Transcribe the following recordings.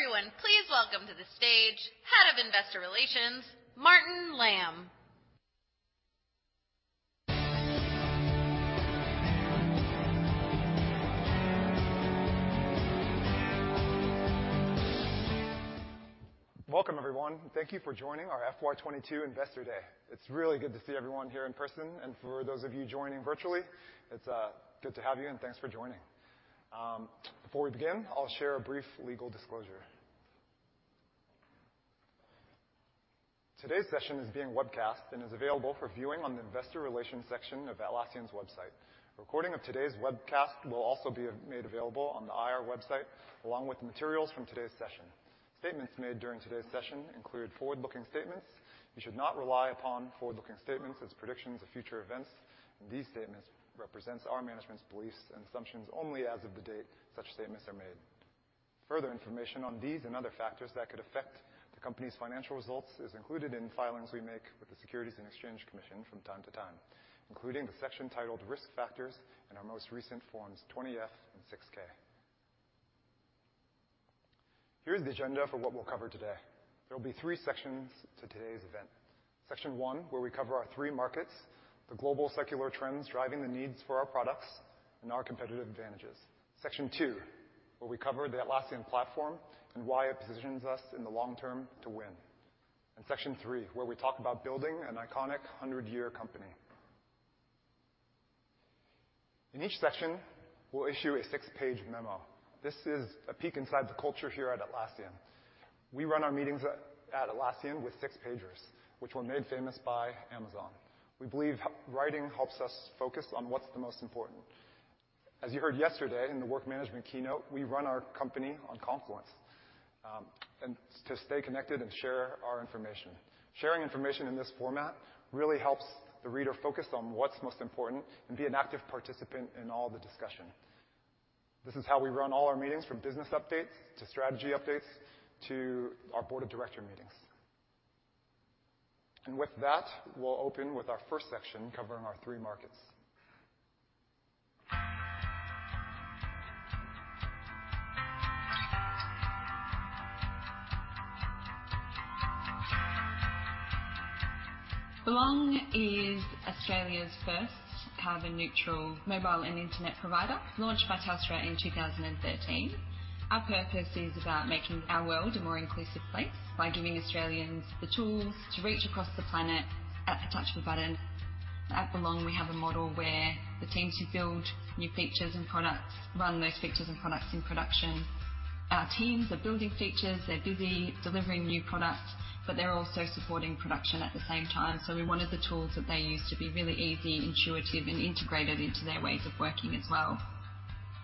Everyone, please welcome to the stage Head of Investor Relations, Martin Lam. Welcome, everyone. Thank you for joining our FY 2022 Investor Day. It's really good to see everyone here in person, and for those of you joining virtually, it's good to have you and thanks for joining. Before we begin, I'll share a brief legal disclosure. Today's session is being webcast and is available for viewing on the investor relations section of Atlassian's website. A recording of today's webcast will also be made available on the IR website, along with the materials from today's session. Statements made during today's session include forward-looking statements. You should not rely upon forward-looking statements as predictions of future events. These statements represents our management's beliefs and assumptions only as of the date such statements are made. Further information on these and other factors that could affect the company's financial results is included in filings we make with the Securities and Exchange Commission from time to time, including the section titled Risk Factors in our most recent Forms 20-F and 6-K. Here's the agenda for what we'll cover today. There'll be three sections to today's event. Section One, where we cover our three markets, the global secular trends driving the needs for our products and our competitive advantages. Section Two, where we cover the Atlassian platform and why it positions us in the long term to win. Section Three, where we talk about building an iconic 100-year company. In each section, we'll issue a six-page memo. This is a peek inside the culture here at Atlassian. We run our meetings at Atlassian with six pagers, which were made famous by Amazon. We believe writing helps us focus on what's the most important. As you heard yesterday in the work management keynote, we run our company on Confluence to stay connected and share our information. Sharing information in this format really helps the reader focus on what's most important and be an active participant in all the discussion. This is how we run all our meetings, from business updates to strategy updates, to our board of director meetings. With that, we'll open with our first section, covering our three markets. Belong is Australia's first carbon neutral mobile and internet provider, launched by Telstra in 2013. Our purpose is about making our world a more inclusive place by giving Australians the tools to reach across the planet at the touch of a button. At Belong, we have a model where the teams who build new features and products run those features and products in production. Our teams are building features. They're busy delivering new products, but they're also supporting production at the same time. We wanted the tools that they use to be really easy, intuitive, and integrated into their ways of working as well.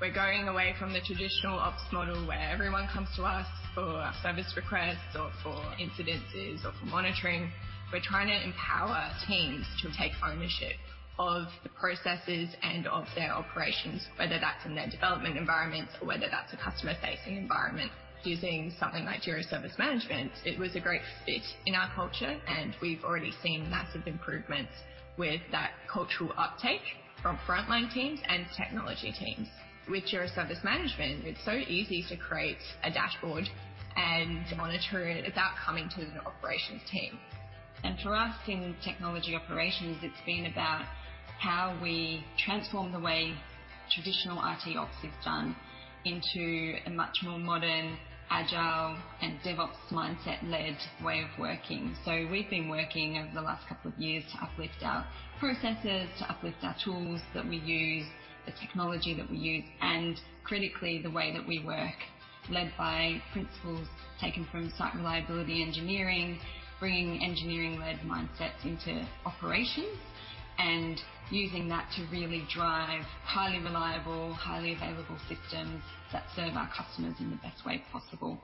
We're going away from the traditional ops model, where everyone comes to us for service requests or for incidents or for monitoring. We're trying to empower teams to take ownership of the processes and of their operations, whether that's in their development environments or whether that's a customer facing environment. Using something like Jira Service Management, it was a great fit in our culture, and we've already seen massive improvements with that cultural uptake from frontline teams and technology teams. With Jira Service Management, it's so easy to create a dashboard and monitor it without coming to the operations team. For us in technology operations, it's been about how we transform the way traditional IT ops is done into a much more modern, agile, and DevOps mindset led way of working. We've been working over the last couple of years to uplift our processes, to uplift our tools that we use, the technology that we use, and critically, the way that we work, led by principles taken from site reliability engineering, bringing engineering led mindsets into operations, and using that to really drive highly reliable, highly available systems that serve our customers in the best way possible.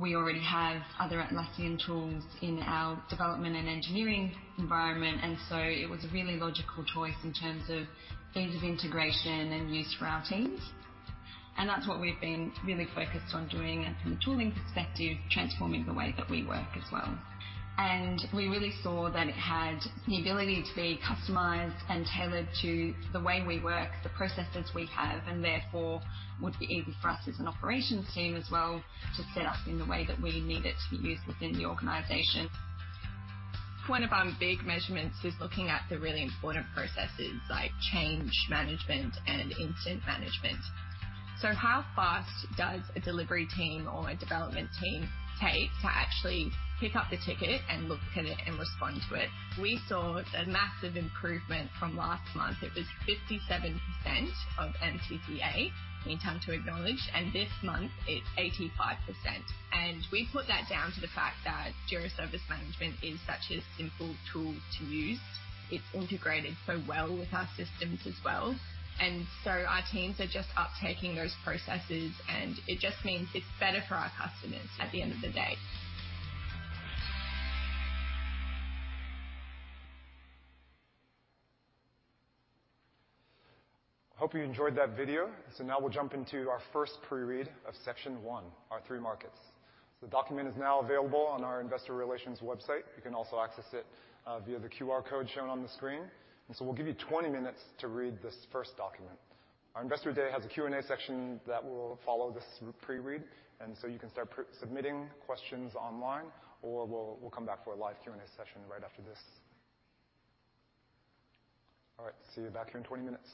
We already have other Atlassian tools in our development and engineering environment, and so it was a really logical choice in terms of ease of integration and use for our teams. That's what we've been really focused on doing from a tooling perspective, transforming the way that we work as well. We really saw that it had the ability to be customized and tailored to the way we work, the processes we have, and therefore would be easy for us as an operations team as well to set up in the way that we need it to be used within the organization. One of our big measurements is looking at the really important processes like change management and incident management. How fast does a delivery team or a development team take to actually pick up the ticket and look at it and respond to it? We saw a massive improvement from last month. It was 57% of MTTA, mean time to acknowledge, and this month it's 85%. We put that down to the fact that Jira Service Management is such a simple tool to use. It's integrated so well with our systems as well. Our teams are just uptaking those processes, and it just means it's better for our customers at the end of the day. Hope you enjoyed that video. Now we'll jump into our first pre-read of section one, our three markets. The document is now available on our investor relations website. You can also access it via the QR code shown on the screen. We'll give you 20 minutes to read this first document. Our investor day has a Q&A section that will follow this pre-read, and you can start pre-submitting questions online, or we'll come back for a live Q&A session right after this. All right, see you back here in 20 minutes.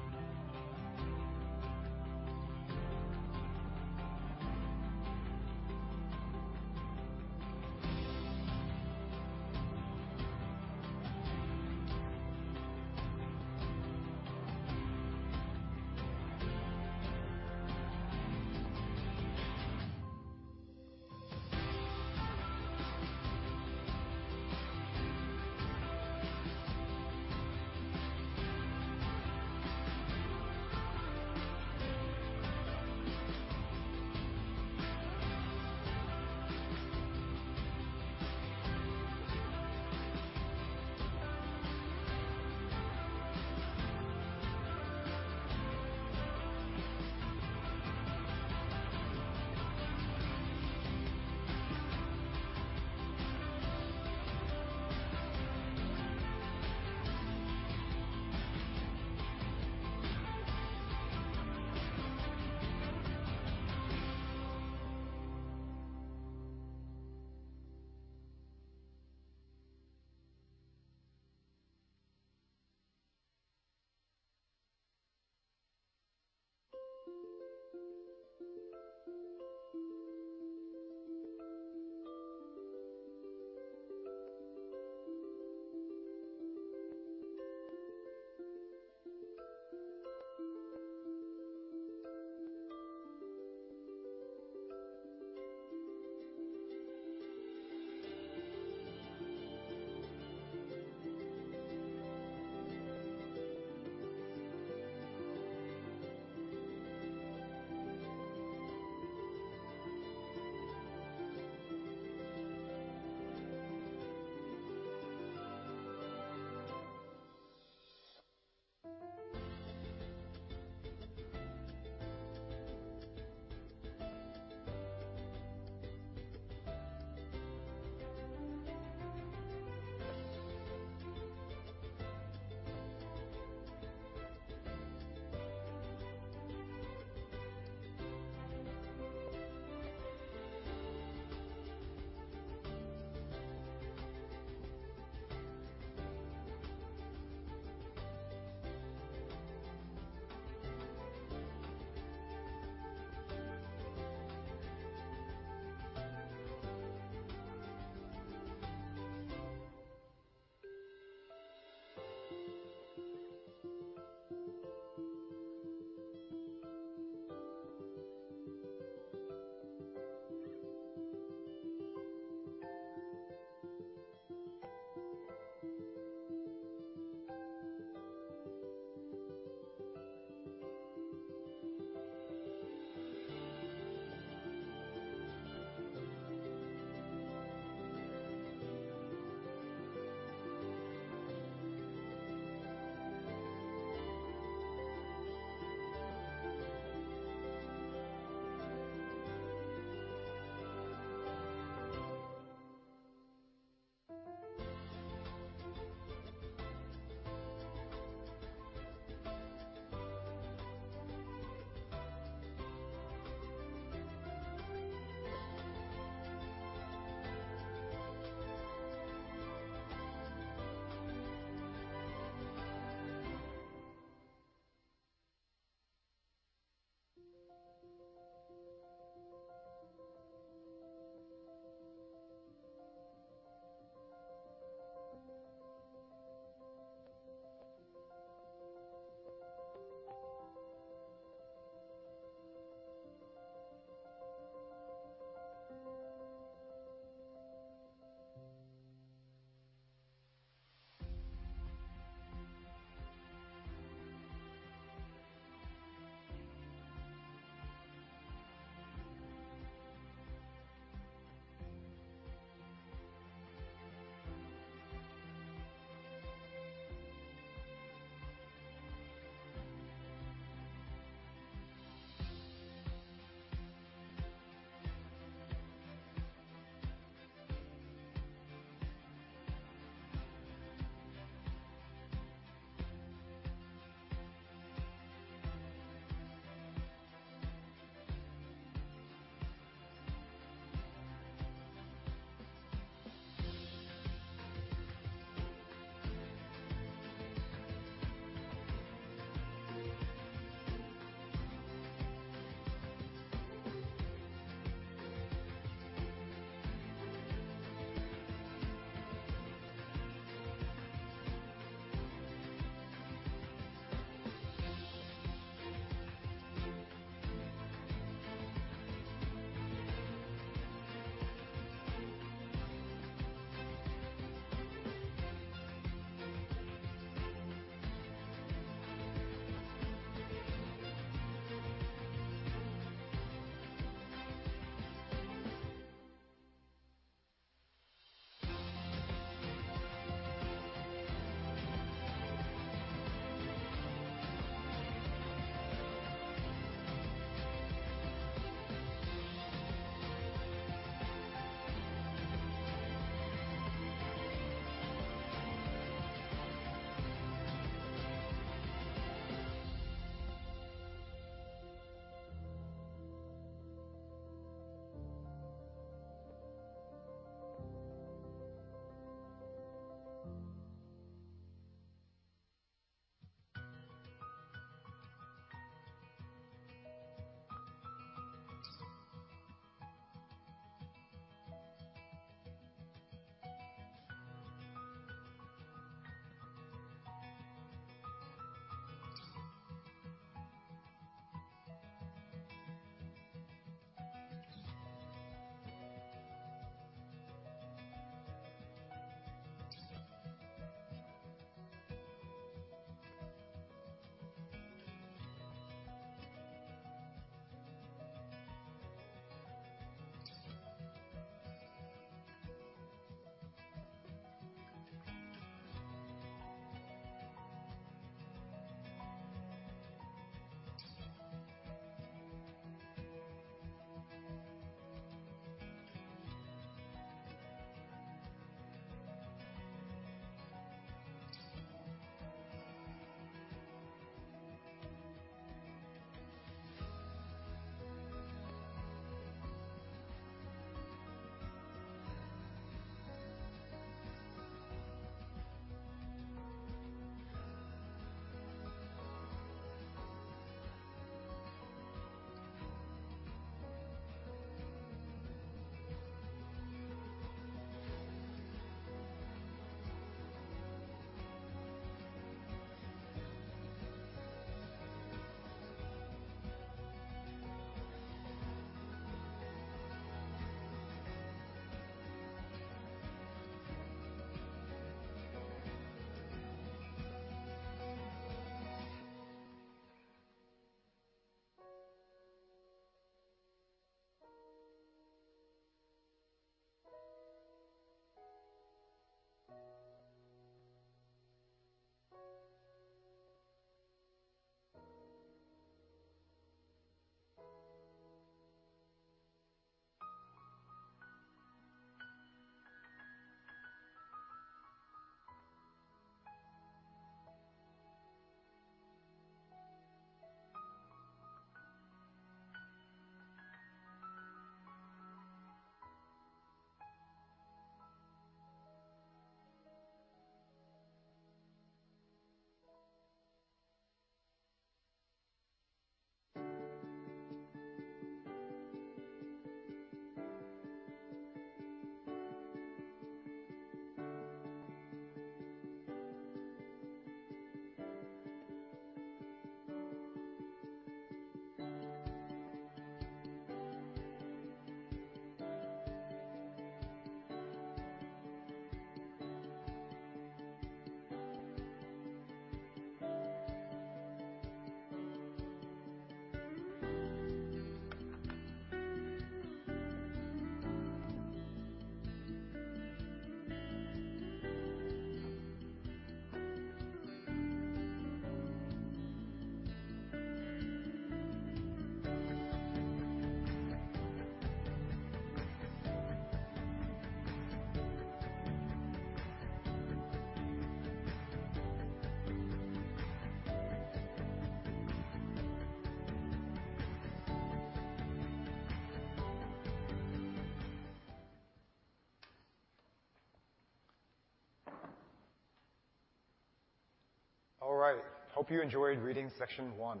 All right, hope you enjoyed reading section one.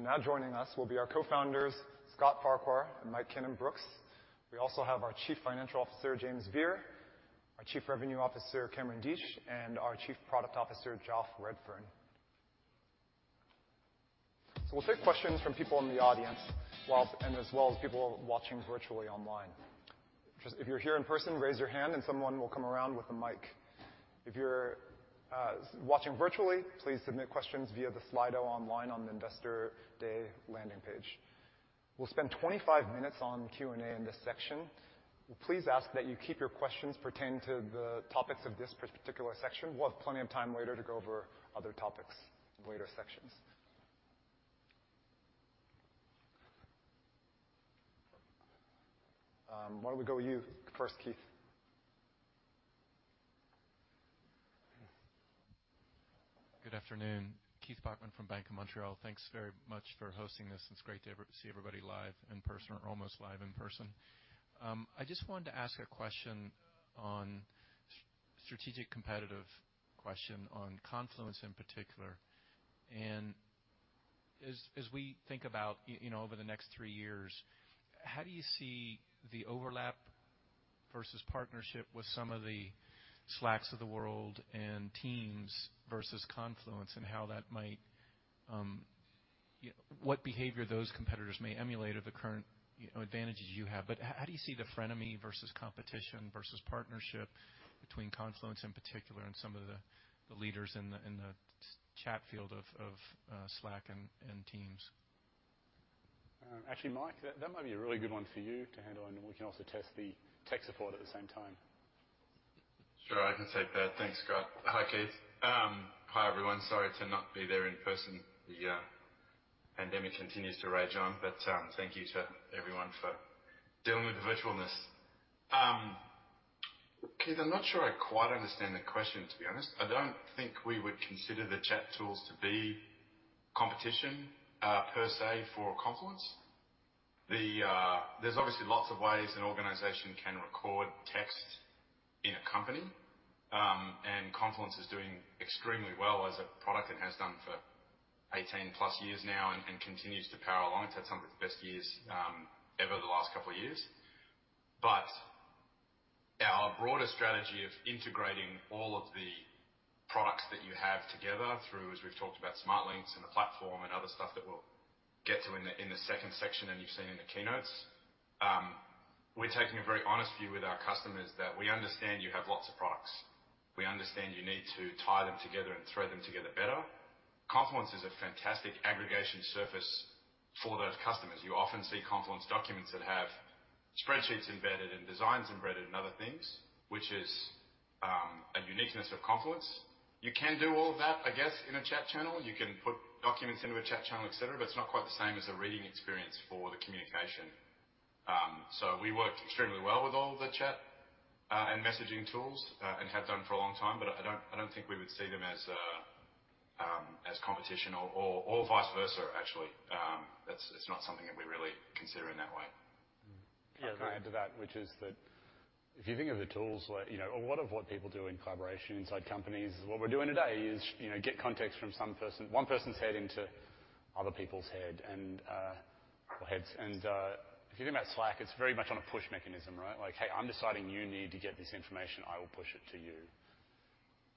Now joining us will be our cofounders, Scott Farquhar and Mike Cannon-Brookes. We also have our Chief Financial Officer, James Beer, our Chief Revenue Officer, Cameron Deatsch, and our Chief Product Officer, Joff Redfern. We'll take questions from people in the audience while and as well as people watching virtually online. Just if you're here in person, raise your hand and someone will come around with a mic. If you're watching virtually, please submit questions via the Slido online on the Investor Day landing page. We'll spend 25 minutes on Q&A in this section. Please ask that you keep your questions pertaining to the topics of this particular section. We'll have plenty of time later to go over other topics in later sections. Why don't we go with you first, Keith? Good afternoon. Keith Bachman from Bank of Montreal. Thanks very much for hosting this. It's great to see everybody live, in person, or almost live in person. I just wanted to ask a question on strategic competitive question on Confluence in particular. As we think about, you know, over the next three years, how do you see the overlap versus partnership with some of the Slacks of the world and Teams versus Confluence and how that might, you know, what behavior those competitors may emulate of the current, you know, advantages you have. How do you see the frenemy versus competition versus partnership between Confluence in particular and some of the leaders in the chat field of Slack and Teams? Actually, Mike, that might be a really good one for you to handle, and we can also test the tech support at the same time. Sure. I can take that. Thanks, Scott. Hi, Keith. Hi, everyone. Sorry to not be there in person. The pandemic continues to rage on, but thank you to everyone for dealing with the virtualness. Keith, I'm not sure I quite understand the question, to be honest. I don't think we would consider the chat tools to be competition per se for Confluence. There's obviously lots of ways an organization can record text in a company, and Confluence is doing extremely well as a product and has done for 18+ years now and continues to power along. It's had some of its best years over the last couple of years. Our broader strategy of integrating all of the products that you have together through, as we've talked about, Smart Links and the platform and other stuff that we'll get to in the second section and you've seen in the keynotes. We're taking a very honest view with our customers that we understand you have lots of products. We understand you need to tie them together and thread them together better. Confluence is a fantastic aggregation surface for those customers. You often see Confluence documents that have spreadsheets embedded and designs embedded and other things, which is a uniqueness of Confluence. You can do all of that, I guess, in a chat channel. You can put documents into a chat channel, et cetera, but it's not quite the same as a reading experience for the communication. We work extremely well with all the chat and messaging tools and have done for a long time, but I don't think we would see them as competition or vice versa, actually. It's not something that we really consider in that way. Yeah. Can I add to that? Which is that if you think of the tools, like, you know, a lot of what people do in collaboration inside companies, what we're doing today is, you know, get context from some person, one person's head into other people's head and heads. If you think about Slack, it's very much on a push mechanism, right? Like, "Hey, I'm deciding you need to get this information. I will push it to you."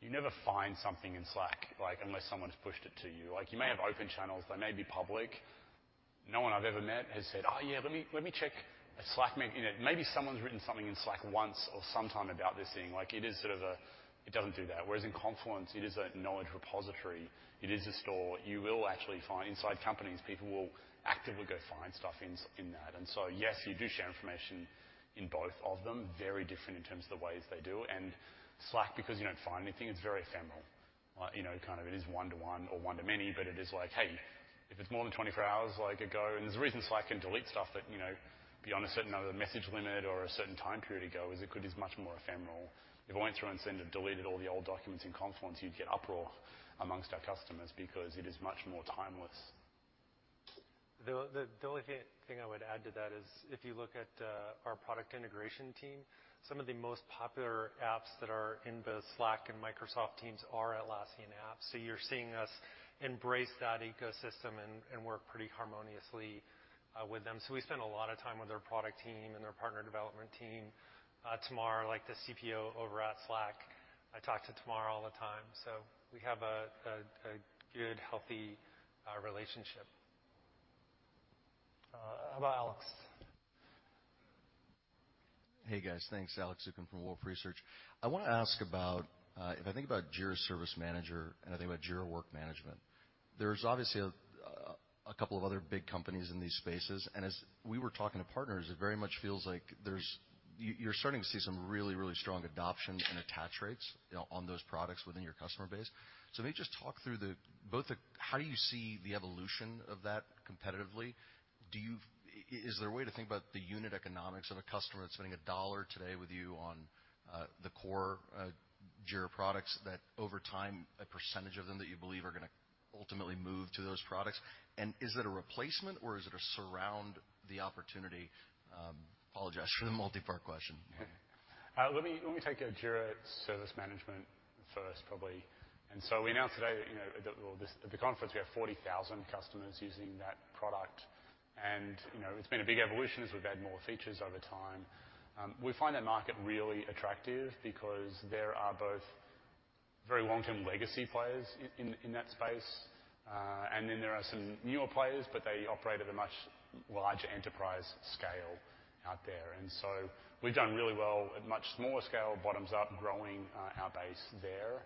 You never find something in Slack, like, unless someone's pushed it to you. Like, you may have open channels, they may be public. No one I've ever met has said, "Oh, yeah, let me check Slack." Maybe someone's written something in Slack once or sometime about this thing. Like, it is sort of a. It doesn't do that. Whereas in Confluence, it is a knowledge repository. It is a store. You will actually find inside companies, people will actively go find stuff in that. Yes, you do share information in both of them. Very different in terms of the ways they do. Slack, because you don't find anything, it's very ephemeral. You know, kind of it is one-to-one or one-to-many, but it is like, "Hey, if it's more than 24 hours, like ago," and there's a reason Slack can delete stuff that, you know, beyond a certain other message limit or a certain time period ago, is much more ephemeral. If I went through and sent and deleted all the old documents in Confluence, you'd get uproar amongst our customers because it is much more timeless. The only thing I would add to that is if you look at our product integration team, some of the most popular apps that are in both Slack and Microsoft Teams are Atlassian apps. You're seeing us embrace that ecosystem and work pretty harmoniously with them. We spend a lot of time with their product team and their partner development team. Tamar, like, the CPO over at Slack, I talk to Tamar all the time. We have a good, healthy relationship. How about Alex? Hey guys, thanks. Alex Zukin from Wolfe Research. I wanna ask about if I think about Jira Service Management and I think about Jira Work Management, there's obviously a couple of other big companies in these spaces, and as we were talking to partners, it very much feels like you're starting to see some really strong adoption and attach rates, you know, on those products within your customer base. Maybe just talk through both the how do you see the evolution of that competitively? Is there a way to think about the unit economics of a customer that's spending a dollar today with you on the core Jira products that over time, a percentage of them that you believe are gonna ultimately move to those products? And is it a replacement or is it a surround the opportunity? Apologize for the multi-part question. Let me take Jira Service Management first probably. We announced today, you know, at the conference, we have 40,000 customers using that product. You know, it's been a big evolution as we've added more features over time. We find that market really attractive because there are both very long-term legacy players in that space. Then there are some newer players, but they operate at a much larger enterprise scale out there. We've done really well at much smaller scale, bottoms up, growing our base there.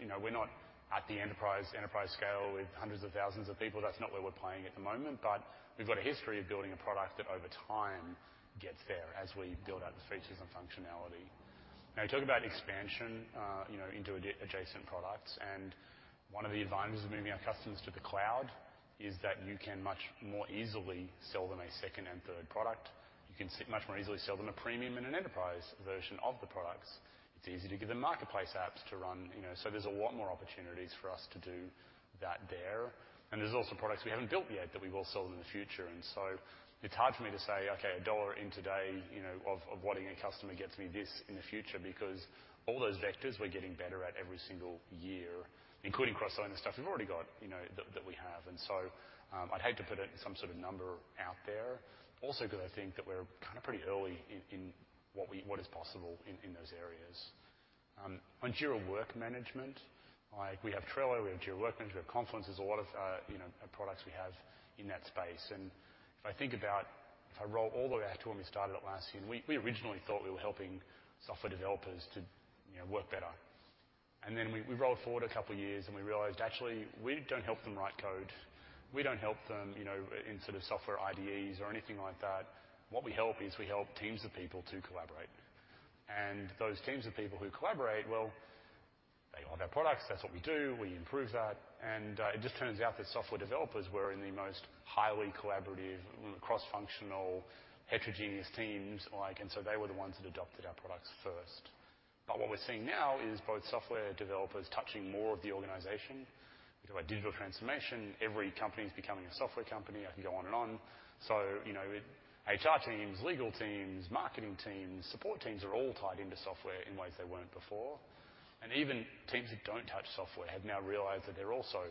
You know, we're not at the enterprise scale with hundreds of thousands of people. That's not where we're playing at the moment, but we've got a history of building a product that over time gets there as we build out the features and functionality. Now, talk about expansion, you know, into adjacent products, and one of the advantages of moving our customers to the Cloud is that you can much more easily sell them a second and third product. You can much more easily sell them a premium and an enterprise version of the products. It's easy to give them marketplace apps to run, you know. There's a lot more opportunities for us to do that there. There's also products we haven't built yet that we will sell in the future. It's hard for me to say, "Okay, a dollar in today, you know, of what a new customer gets me this in the future," because all those vectors we're getting better at every single year, including cross-selling the stuff we've already got, you know, that we have. I'd hate to put it some sort of number out there. Also, 'cause I think that we're kinda pretty early in what is possible in those areas. On Jira Work Management, like we have Trello, we have Jira Work Management, we have Confluence. There's a lot of, you know, products we have in that space. If I think about, if I roll all the way back to when we started Atlassian, we originally thought we were helping software developers to, you know, work better. We rolled forward a couple years, and we realized actually we don't help them write code. We don't help them, you know, in sort of software IDEs or anything like that. What we help is we help teams of people to collaborate. Those teams of people who collaborate, well, they want their products. That's what we do. We improve that. It just turns out that software developers were in the most highly collaborative cross-functional heterogeneous teams, like, and so they were the ones that adopted our products first. But what we're seeing now is both software developers touching more of the organization. You know, digital transformation, every company is becoming a software company. I can go on and on. You know, HR teams, legal teams, marketing teams, support teams are all tied into software in ways they weren't before. Even teams that don't touch software have now realized that they're also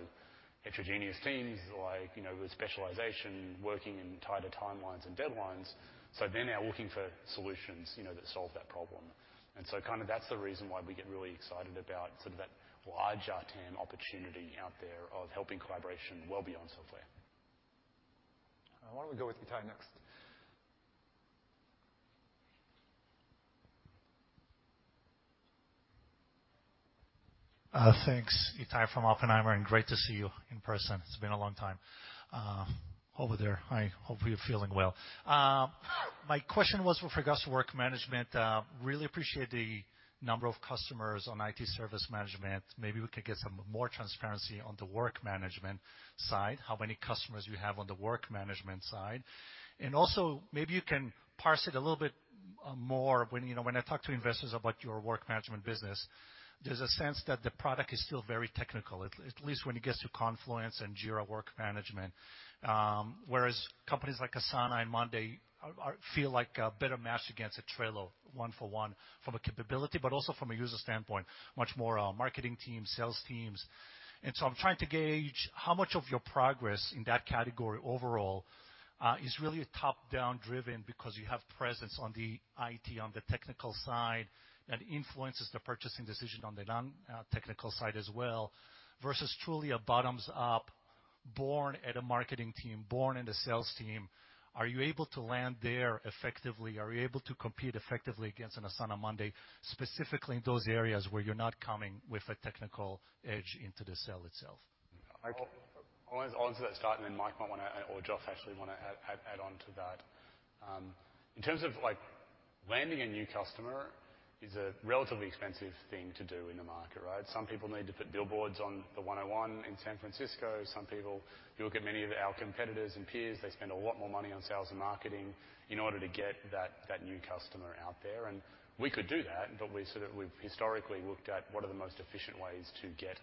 heterogeneous teams, like, you know, with specialization, working in tighter timelines and deadlines. They're now looking for solutions, you know, that solve that problem. Kinda that's the reason why we get really excited about sort of that larger TAM opportunity out there of helping collaboration well beyond software. Why don't we go with Itay next? Thanks. Itay from Oppenheimer, and great to see you in person. It's been a long time. Over there. I hope you're feeling well. My question was for Jira Work Management. Really appreciate the number of customers on IT Service Management. Maybe we could get some more transparency on the work management side, how many customers you have on the work management side. Also, maybe you can parse it a little bit more. You know, when I talk to investors about your work management business, there's a sense that the product is still very technical, at least when it gets to Confluence and Jira Work Management. Whereas companies like Asana and Monday feel like a better match against a Trello one-for-one from a capability, but also from a user standpoint, much more marketing team, sales teams. I'm trying to gauge how much of your progress in that category overall is really top-down driven because you have presence on the IT, on the technical side that influences the purchasing decision on the non technical side as well, versus truly a bottoms up born at a marketing team, born in the sales team. Are you able to land there effectively? Are you able to compete effectively against an Asana, Monday, specifically in those areas where you're not coming with a technical edge into the sale itself? I'll answer that first, and then Mike might wanna or Joff actually wanna add on to that. In terms of like landing a new customer is a relatively expensive thing to do in the market, right? Some people need to put billboards on the 101 in San Francisco. Some people, if you look at many of our competitors and peers, they spend a lot more money on sales and marketing in order to get that new customer out there. We could do that, but we sort of, we've historically looked at what are the most efficient ways to get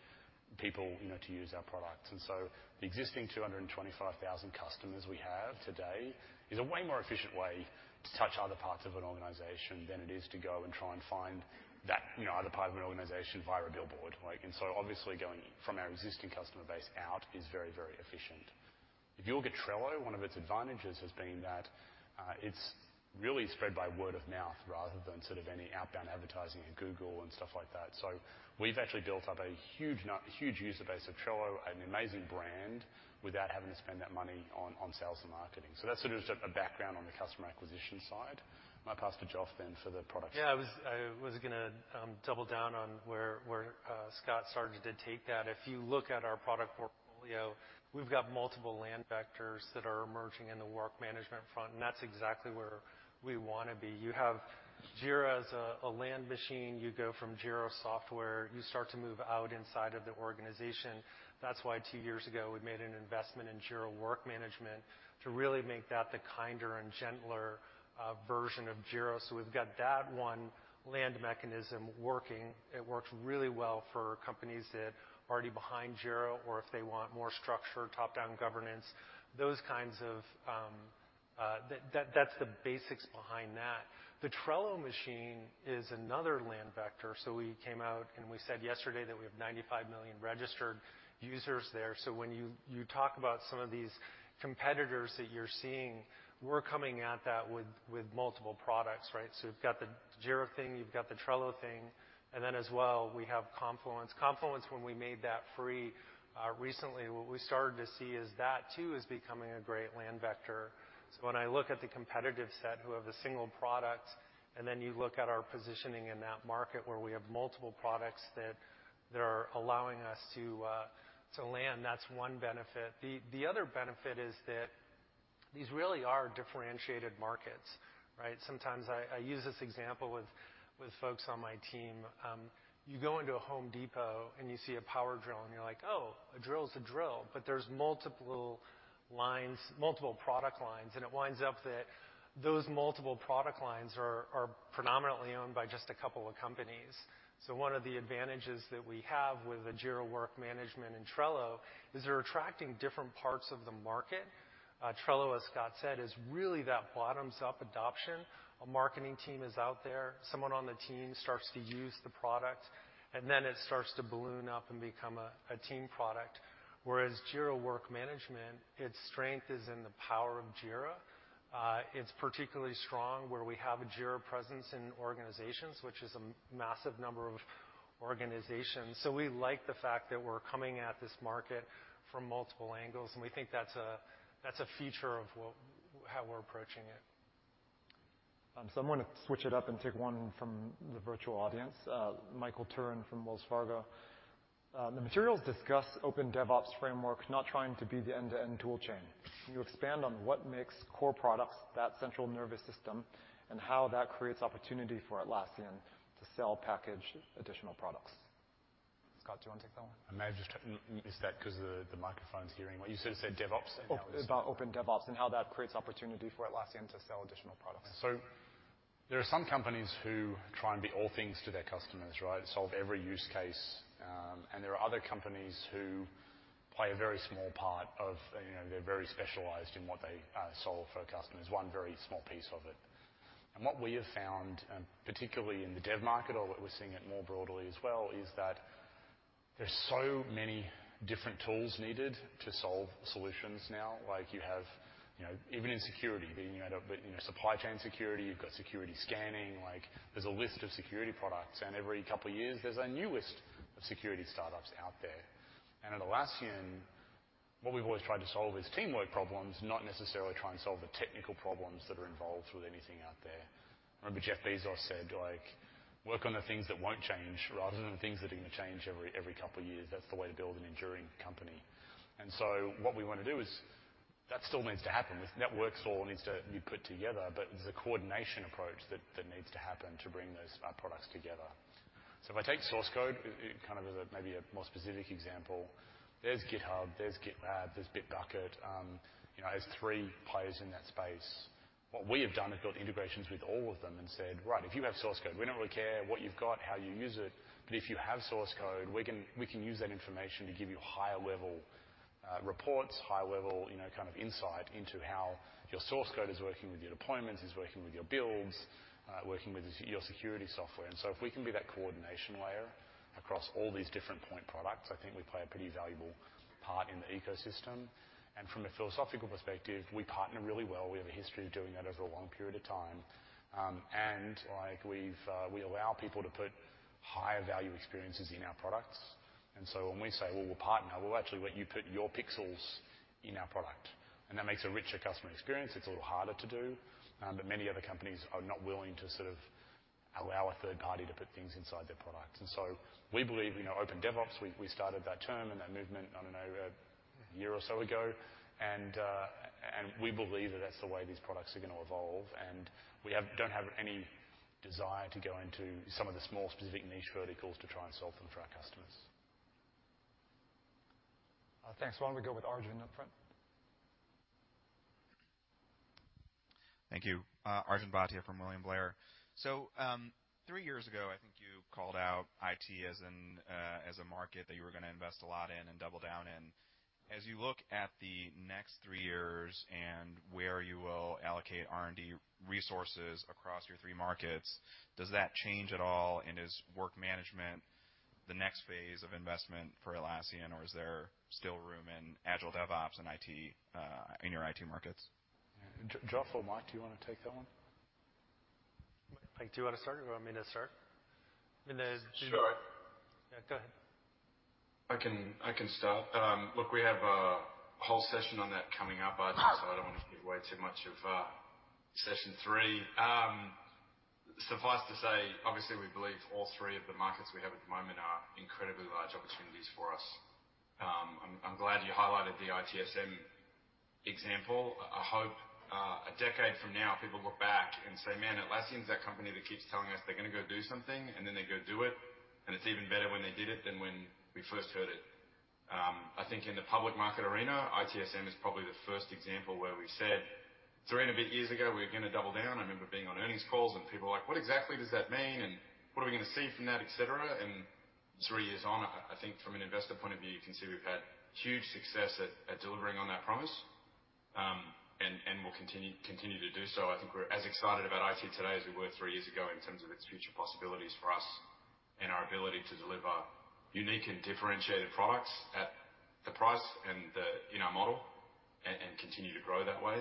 people, you know, to use our products. The existing 225,000 customers we have today is a way more efficient way to touch other parts of an organization than it is to go and try and find that, you know, other part of an organization via a billboard. Like, obviously going from our existing customer base out is very, very efficient. If you look at Trello, one of its advantages has been that, it's really spread by word of mouth rather than sort of any outbound advertising in Google and stuff like that. We've actually built up a huge user base of Trello, an amazing brand, without having to spend that money on sales and marketing. That's sort of just a background on the customer acquisition side. I might pass to Joff then for the product. Yeah, I was gonna double down on where Scott started to take that. If you look at our product portfolio, we've got multiple land vectors that are emerging in the work management front, and that's exactly where we wanna be. You have Jira as a land machine. You go from Jira Software, you start to move out inside of the organization. That's why two years ago, we made an investment in Jira Work Management to really make that the kinder and gentler version of Jira. We've got that one land mechanism working. It works really well for companies that are already behind Jira, or if they want more structure, top-down governance, those kinds of. That's the basics behind that. The Trello machine is another land vector. We came out and we said yesterday that we have 95 million registered users there. When you talk about some of these competitors that you're seeing, we're coming at that with multiple products, right? You've got the Jira thing, you've got the Trello thing, and then as well, we have Confluence. Confluence, when we made that free recently, what we started to see is that too is becoming a great land vector. When I look at the competitive set who have a single product, and then you look at our positioning in that market where we have multiple products that they're allowing us to land, that's one benefit. The other benefit is that these really are differentiated markets, right? Sometimes I use this example with folks on my team. You go into a Home Depot and you see a power drill, and you're like, "Oh, a drill is a drill." There's multiple lines, multiple product lines, and it winds up that those multiple product lines are predominantly owned by just a couple of companies. One of the advantages that we have with the Jira Work Management and Trello is they're attracting different parts of the market. Trello, as Scott said, is really that bottoms-up adoption. A marketing team is out there, someone on the team starts to use the product, and then it starts to balloon up and become a team product. Whereas Jira Work Management, its strength is in the power of Jira. It's particularly strong where we have a Jira presence in organizations, which is a massive number of organizations. We like the fact that we're coming at this market from multiple angles, and we think that's a feature of how we're approaching it. I'm gonna switch it up and take one from the virtual audience. Michael Turrin from Wells Fargo. The materials discuss Open DevOps framework not trying to be the end-to-end tool chain. Can you expand on what makes the core products the central nervous system and how that creates opportunity for Atlassian to sell packaged additional products? Scott, do you wanna take that one? I may have just missed that 'cause the microphone's hearing. What you said DevOps and now- It's about Open DevOps and how that creates opportunity for Atlassian to sell additional products. There are some companies who try and be all things to their customers, right? Solve every use case. There are other companies who play a very small part of, you know, they're very specialized in what they solve for customers, one very small piece of it. What we have found, particularly in the dev market or we're seeing it more broadly as well, is that there's so many different tools needed to solve solutions now. Like you have, you know, even in security, then you end up with, you know, supply chain security, you've got security scanning. Like, there's a list of security products, and every couple of years, there's a new list of security startups out there. At Atlassian, what we've always tried to solve is teamwork problems, not necessarily try and solve the technical problems that are involved with anything out there. Remember Jeff Bezos said, like, "Work on the things that won't change rather than the things that are gonna change every couple of years. That's the way to build an enduring company." What we wanna do is that still needs to happen. This network still needs to be put together, but there's a coordination approach that needs to happen to bring those products together. If I take source code kind of as maybe a more specific example, there's GitHub, there's GitLab, there's Bitbucket, there's three players in that space. What we have done is build integrations with all of them and said, "Right, if you have source code, we don't really care what you've got, how you use it, but if you have source code, we can use that information to give you higher level reports, higher level, you know, kind of insight into how your source code is working with your deployments, is working with your builds, working with your security software." If we can be that coordination layer across all these different point products, I think we play a pretty valuable part in the ecosystem. From a philosophical perspective, we partner really well. We have a history of doing that over a long period of time. Like, we allow people to put higher value experiences in our products. When we say, "Well, we'll partner, we'll actually let you put your pixels in our product," and that makes a richer customer experience. It's a little harder to do, but many other companies are not willing to sort of allow a third party to put things inside their product. We believe, you know, Open DevOps, we started that term and that movement, I don't know, a year or so ago. We believe that that's the way these products are gonna evolve, and we don't have any desire to go into some of the small specific niche verticals to try and solve them for our customers. Thanks. Why don't we go with Arjun up front? Thank you. Arjun Bhatia from William Blair. Three years ago, I think you called out IT as a market that you were gonna invest a lot in and double down in. As you look at the next three years and where you will allocate R&D resources across your three markets. Does that change at all? Is work management the next phase of investment for Atlassian, or is there still room in Agile, DevOps and IT, in your IT markets? Jeff or Mike, do you wanna take that one? Mike, do you wanna start or you want me to start? Sure. Yeah, go ahead. I can start. Look, we have a whole session on that coming up, Arjun, so I don't wanna give away too much of session three. Suffice to say, obviously, we believe all three of the markets we have at the moment are incredibly large opportunities for us. I'm glad you highlighted the ITSM example. I hope a decade from now people look back and say, "Man, Atlassian's that company that keeps telling us they're gonna go do something, and then they go do it. And it's even better when they did it than when we first heard it." I think in the public market arena, ITSM is probably the first example where we said three and a bit years ago, we're gonna double down. I remember being on earnings calls, and people were like, "What exactly does that mean? What are we gonna see from that?" Et cetera. Three years on, I think from an investor point of view, you can see we've had huge success at delivering on that promise. We'll continue to do so. I think we're as excited about it today as we were three years ago in terms of its future possibilities for us and our ability to deliver unique and differentiated products at the price and the, you know, model and continue to grow that way.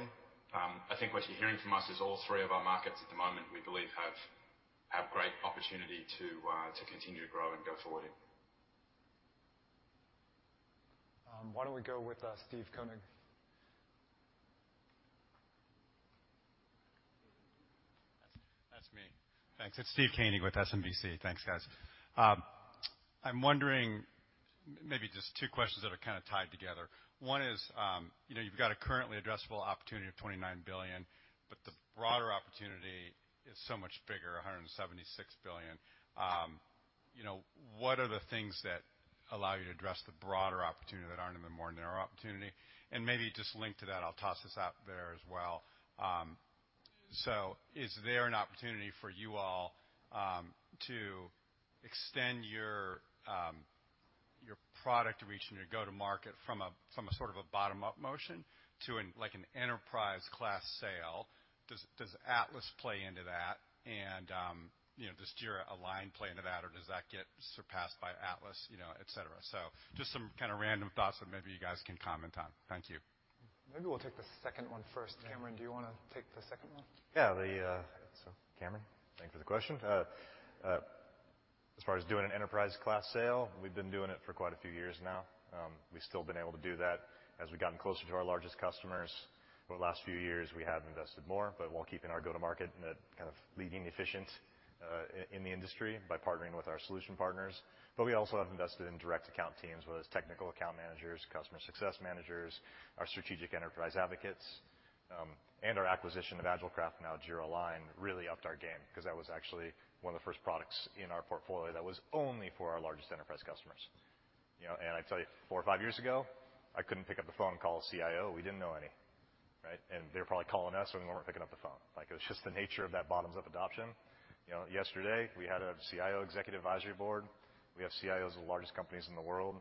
I think what you're hearing from us is all three of our markets at the moment, we believe have great opportunity to continue to grow and go forward. Why don't we go with Steve Koenig? That's me. Thanks. It's Steve Koenig with SMBC. Thanks, guys. I'm wondering, maybe just two questions that are kinda tied together. One is, you know, you've got a currently addressable opportunity of $29 billion, but the broader opportunity is so much bigger, $176 billion. You know, what are the things that allow you to address the broader opportunity that aren't in the more narrow opportunity? Maybe just linked to that, I'll toss this out there as well. Is there an opportunity for you all, to extend your your product reach and your go-to-market from a, from a sort of a bottom-up motion to an, like, an enterprise class sale? Does Atlas play into that? You know, does Jira Align play into that, or does that get surpassed by Atlas, you know, et cetera? Just some kind of random thoughts that maybe you guys can comment on. Thank you. Maybe we'll take the second one first. Cannon, do you wanna take the second one? Cannon. Thank you for the question. As far as doing an enterprise class sale, we've been doing it for quite a few years now. We've still been able to do that. As we've gotten closer to our largest customers over the last few years, we have invested more, but while keeping our go-to-market in a kind of leading efficient in the industry by partnering with our solution partners. We also have invested in direct account teams, whether it's technical account managers, customer success managers, our strategic enterprise advocates, and our acquisition of AgileCraft, now Jira Align, really upped our game, 'cause that was actually one of the first products in our portfolio that was only for our largest enterprise customers. You know, I'd tell you, four or five years ago, I couldn't pick up the phone and call a CIO. We didn't know any, right? They were probably calling us, and we weren't picking up the phone. Like, it was just the nature of that bottoms-up adoption. You know, yesterday we had a CIO executive advisory board. We have CIOs of the largest companies in the world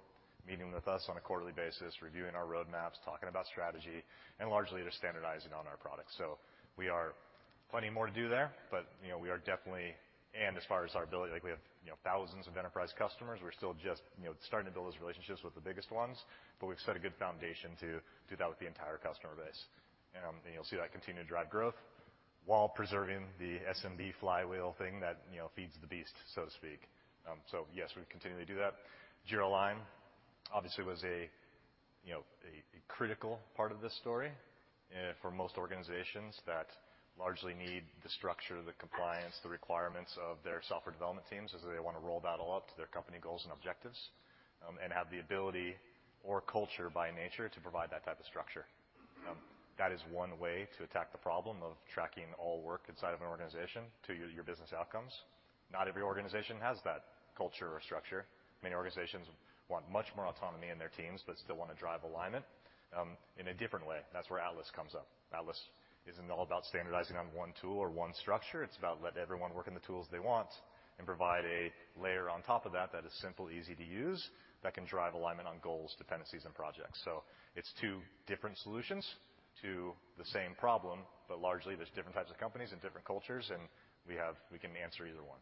meeting with us on a quarterly basis, reviewing our roadmaps, talking about strategy, and largely they're standardizing on our products. We have plenty more to do there, but, you know, we are definitely. As far as our ability, like, we have, you know, thousands of enterprise customers. We're still just, you know, starting to build those relationships with the biggest ones, but we've set a good foundation to do that with the entire customer base. You'll see that continue to drive growth while preserving the SMB flywheel thing that, you know, feeds the beast, so to speak. Yes, we continue to do that. Jira Align obviously was, you know, a critical part of this story for most organizations that largely need the structure, the compliance, the requirements of their software development teams, as they wanna roll that all up to their company goals and objectives, and have the ability or culture by nature to provide that type of structure. That is one way to attack the problem of tracking all work inside of an organization to your business outcomes. Not every organization has that culture or structure. Many organizations want much more autonomy in their teams, but still wanna drive alignment in a different way. That's where Atlas comes up. Atlas isn't all about standardizing on one tool or one structure. It's about let everyone work in the tools they want and provide a layer on top of that that is simple, easy to use, that can drive alignment on goals, dependencies, and projects. It's two different solutions to the same problem, but largely there's different types of companies and different cultures, and we can answer either one.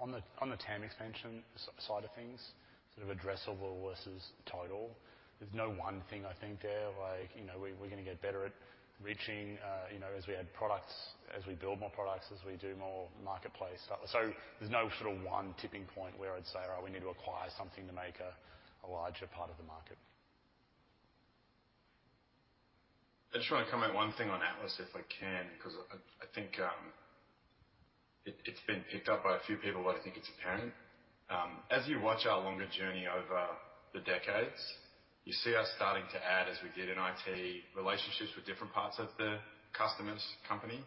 On the TAM expansion side of things, sort of addressable versus total, there's no one thing I think there. Like, you know, we're gonna get better at reaching, you know, as we add products, as we build more products, as we do more marketplace. There's no sort of one tipping point where I'd say, "Oh, we need to acquire something to make a larger part of the market. I just wanna comment one thing on Atlas if I can, 'cause I think it's been picked up by a few people, but I think it's apparent. As you watch our longer journey over the decades, you see us starting to add, as we did in IT, relationships with different parts of the customer's company,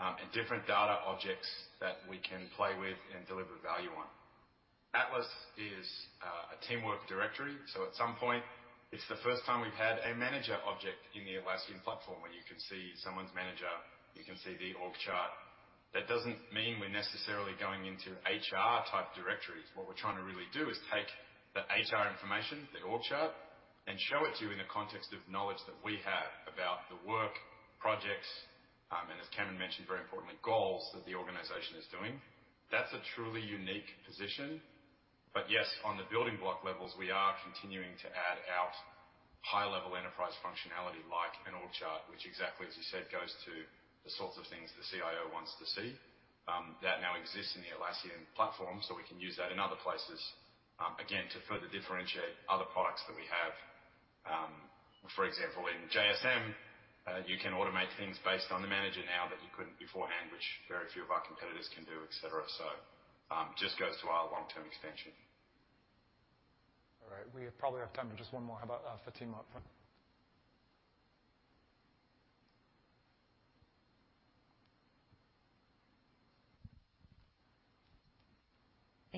and different data objects that we can play with and deliver value on. Atlas is a teamwork directory, so at some point, it's the first time we've had a manager object in the Atlassian platform where you can see someone's manager, you can see the org chart. That doesn't mean. We're not necessarily going into HR type directories. What we're trying to really do is take the HR information, the org chart, and show it to you in the context of knowledge that we have about the work projects, and as Cameron mentioned, very importantly, goals that the organization is doing. That's a truly unique position. Yes, on the building block levels, we are continuing to build out high-level enterprise functionality like an org chart, which exactly as you said, goes to the sorts of things the CIO wants to see. That now exists in the Atlassian platform, so we can use that in other places, again, to further differentiate other products that we have. For example, in JSM, you can automate things based on the manager now that you couldn't beforehand, which very few of our competitors can do, et cetera. Just goes to our long-term expansion. All right. We probably have time for just one more. How about, Fatima?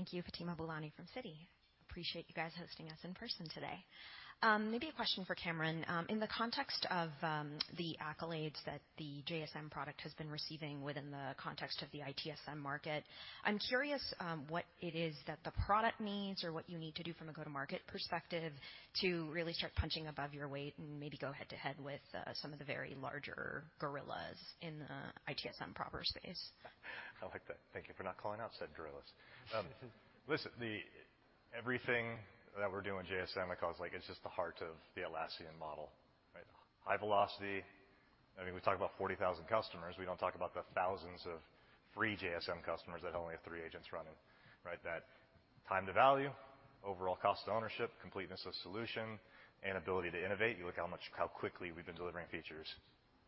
Thank you. Fatima Boolani from Citi. Appreciate you guys hosting us in person today. Maybe a question for Cameron. In the context of the accolades that the JSM product has been receiving within the context of the ITSM market, I'm curious what it is that the product needs or what you need to do from a go-to-market perspective to really start punching above your weight and maybe go head-to-head with some of the very larger gorillas in the ITSM proper space. I like that. Thank you for not calling out said gorillas. Listen, everything that we're doing with JSM, I call this like it's just the heart of the Atlassian model, right? High velocity. I mean, we talk about 40,000 customers. We don't talk about the thousands of free JSM customers that only have three agents running, right? That time to value, overall cost of ownership, completeness of solution, and ability to innovate. You look how much, how quickly we've been delivering features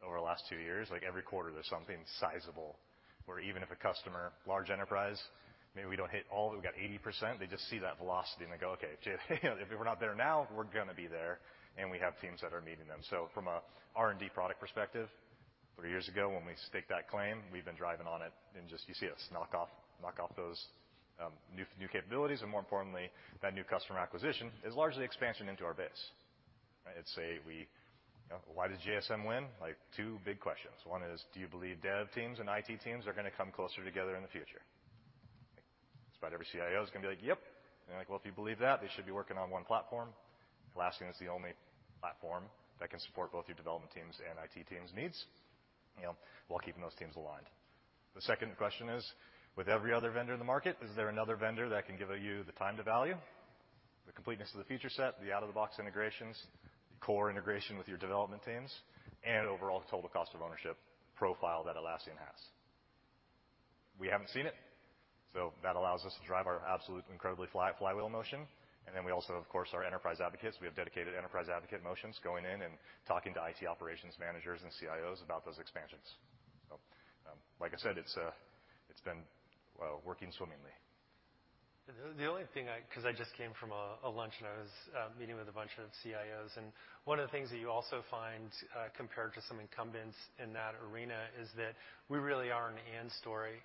over the last two years. Like, every quarter there's something sizable where even if a customer, large enterprise, maybe we don't hit all, we've got 80%, they just see that velocity and they go, "Okay. If we're not there now, we're gonna be there." We have teams that are meeting them. From a R&D product perspective, three years ago when we staked that claim, we've been driving on it. Just you see us knock off those new capabilities, and more importantly, that new customer acquisition is largely expansion into our base. Right? I'd say we, you know, why does JSM win? Like, two big questions. One is, do you believe dev teams and IT teams are gonna come closer together in the future? Like, just about every CIO is gonna be like, "Yep." They're like, "Well, if you believe that, they should be working on one platform." Atlassian is the only platform that can support both your development teams and IT teams' needs, you know, while keeping those teams aligned. The second question is, with every other vendor in the market, is there another vendor that can give you the time to value, the completeness of the feature set, the out-of-the-box integrations, core integration with your development teams, and overall total cost of ownership profile that Atlassian has? We haven't seen it. That allows us to drive our absolutely incredibly flywheel motion. Then we also, of course, our enterprise advocates. We have dedicated enterprise advocate motions going in and talking to IT operations managers and CIOs about those expansions. Like I said, it's been, well, working swimmingly. 'Cause I just came from a lunch, and I was meeting with a bunch of CIOs, and one of the things that you also find compared to some incumbents in that arena is that we really are an and story.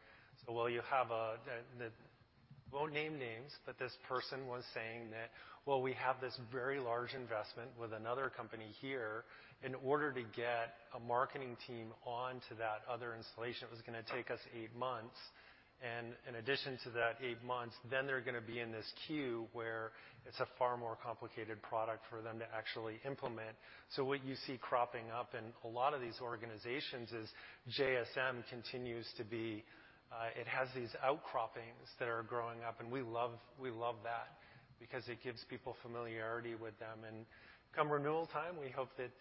While you have won't name names, but this person was saying that, "Well, we have this very large investment with another company here. In order to get a marketing team on to that other installation, it was gonna take us eight months. In addition to that eight months, then they're gonna be in this queue where it's a far more complicated product for them to actually implement. What you see cropping up in a lot of these organizations is JSM continues to be, it has these outcroppings that are growing up, and we love that because it gives people familiarity with them. Come renewal time, we hope that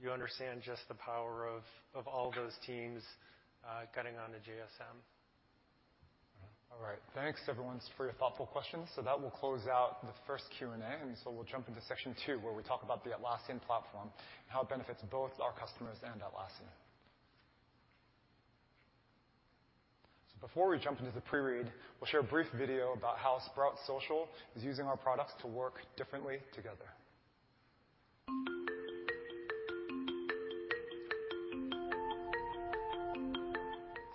you understand just the power of all those teams getting onto JSM. All right. Thanks, everyone, for your thoughtful questions. That will close out the first Q&A. We'll jump into section two, where we talk about the Atlassian platform and how it benefits both our customers and Atlassian. Before we jump into the pre-read, we'll share a brief video about how Sprout Social is using our products to work differently together.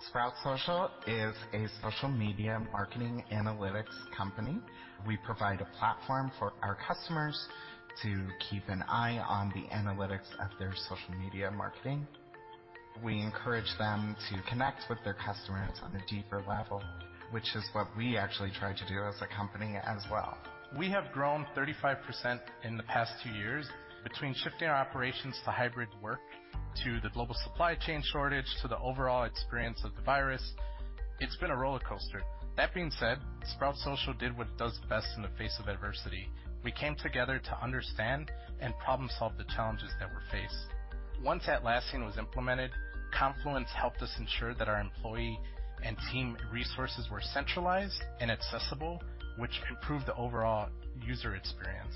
Sprout Social is a social media marketing analytics company. We provide a platform for our customers to keep an eye on the analytics of their social media marketing. We encourage them to connect with their customers on a deeper level, which is what we actually try to do as a company as well. We have grown 35% in the past two years. Between shifting our operations to hybrid work, to the global supply chain shortage, to the overall experience of the virus, it's been a rollercoaster. That being said, Sprout Social did what it does best in the face of adversity. We came together to understand and problem solve the challenges that we faced. Once Atlassian was implemented, Confluence helped us ensure that our employee and team resources were centralized and accessible, which improved the overall user experience.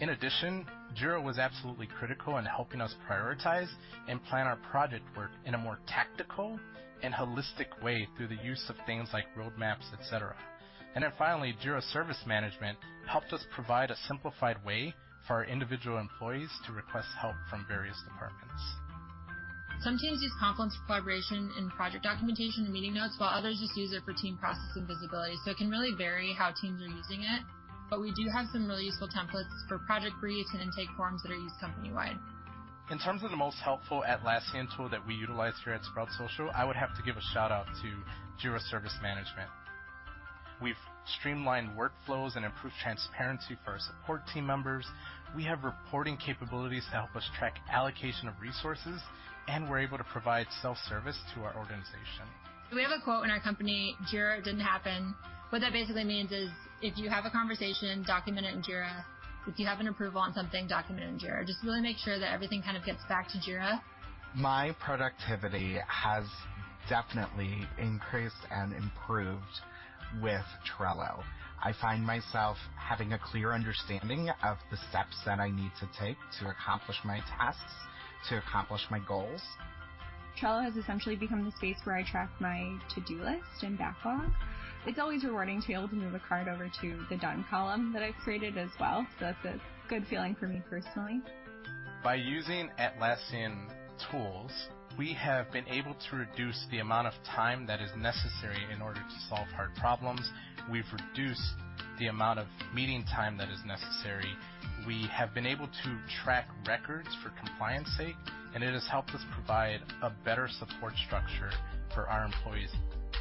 In addition, Jira was absolutely critical in helping us prioritize and plan our project work in a more tactical and holistic way through the use of things like roadmaps, et cetera. Finally, Jira Service Management helped us provide a simplified way for our individual employees to request help from various departments. Some teams use Confluence for collaboration and project documentation and meeting notes, while others just use it for team process and visibility. It can really vary how teams are using it, but we do have some really useful templates for project briefs and intake forms that are used company-wide. In terms of the most helpful Atlassian tool that we utilize here at Sprout Social, I would have to give a shout-out to Jira Service Management. We've streamlined workflows and improved transparency for our support team members. We have reporting capabilities to help us track allocation of resources, and we're able to provide self-service to our organization. We have a quote in our company, "Jira didn't happen." What that basically means is if you have a conversation, document it in Jira. If you have an approval on something, document it in Jira. Just really make sure that everything kind of gets back to Jira. My productivity has definitely increased and improved with Trello. I find myself having a clear understanding of the steps that I need to take to accomplish my tasks, to accomplish my goals. Trello has essentially become the space where I track my to-do list and backlog. It's always rewarding to be able to move a card over to the done column that I've created as well. That's a good feeling for me personally. By using Atlassian tools, we have been able to reduce the amount of time that is necessary in order to solve hard problems. We've reduced the amount of meeting time that is necessary. We have been able to track records for compliance sake, and it has helped us provide a better support structure for our employees.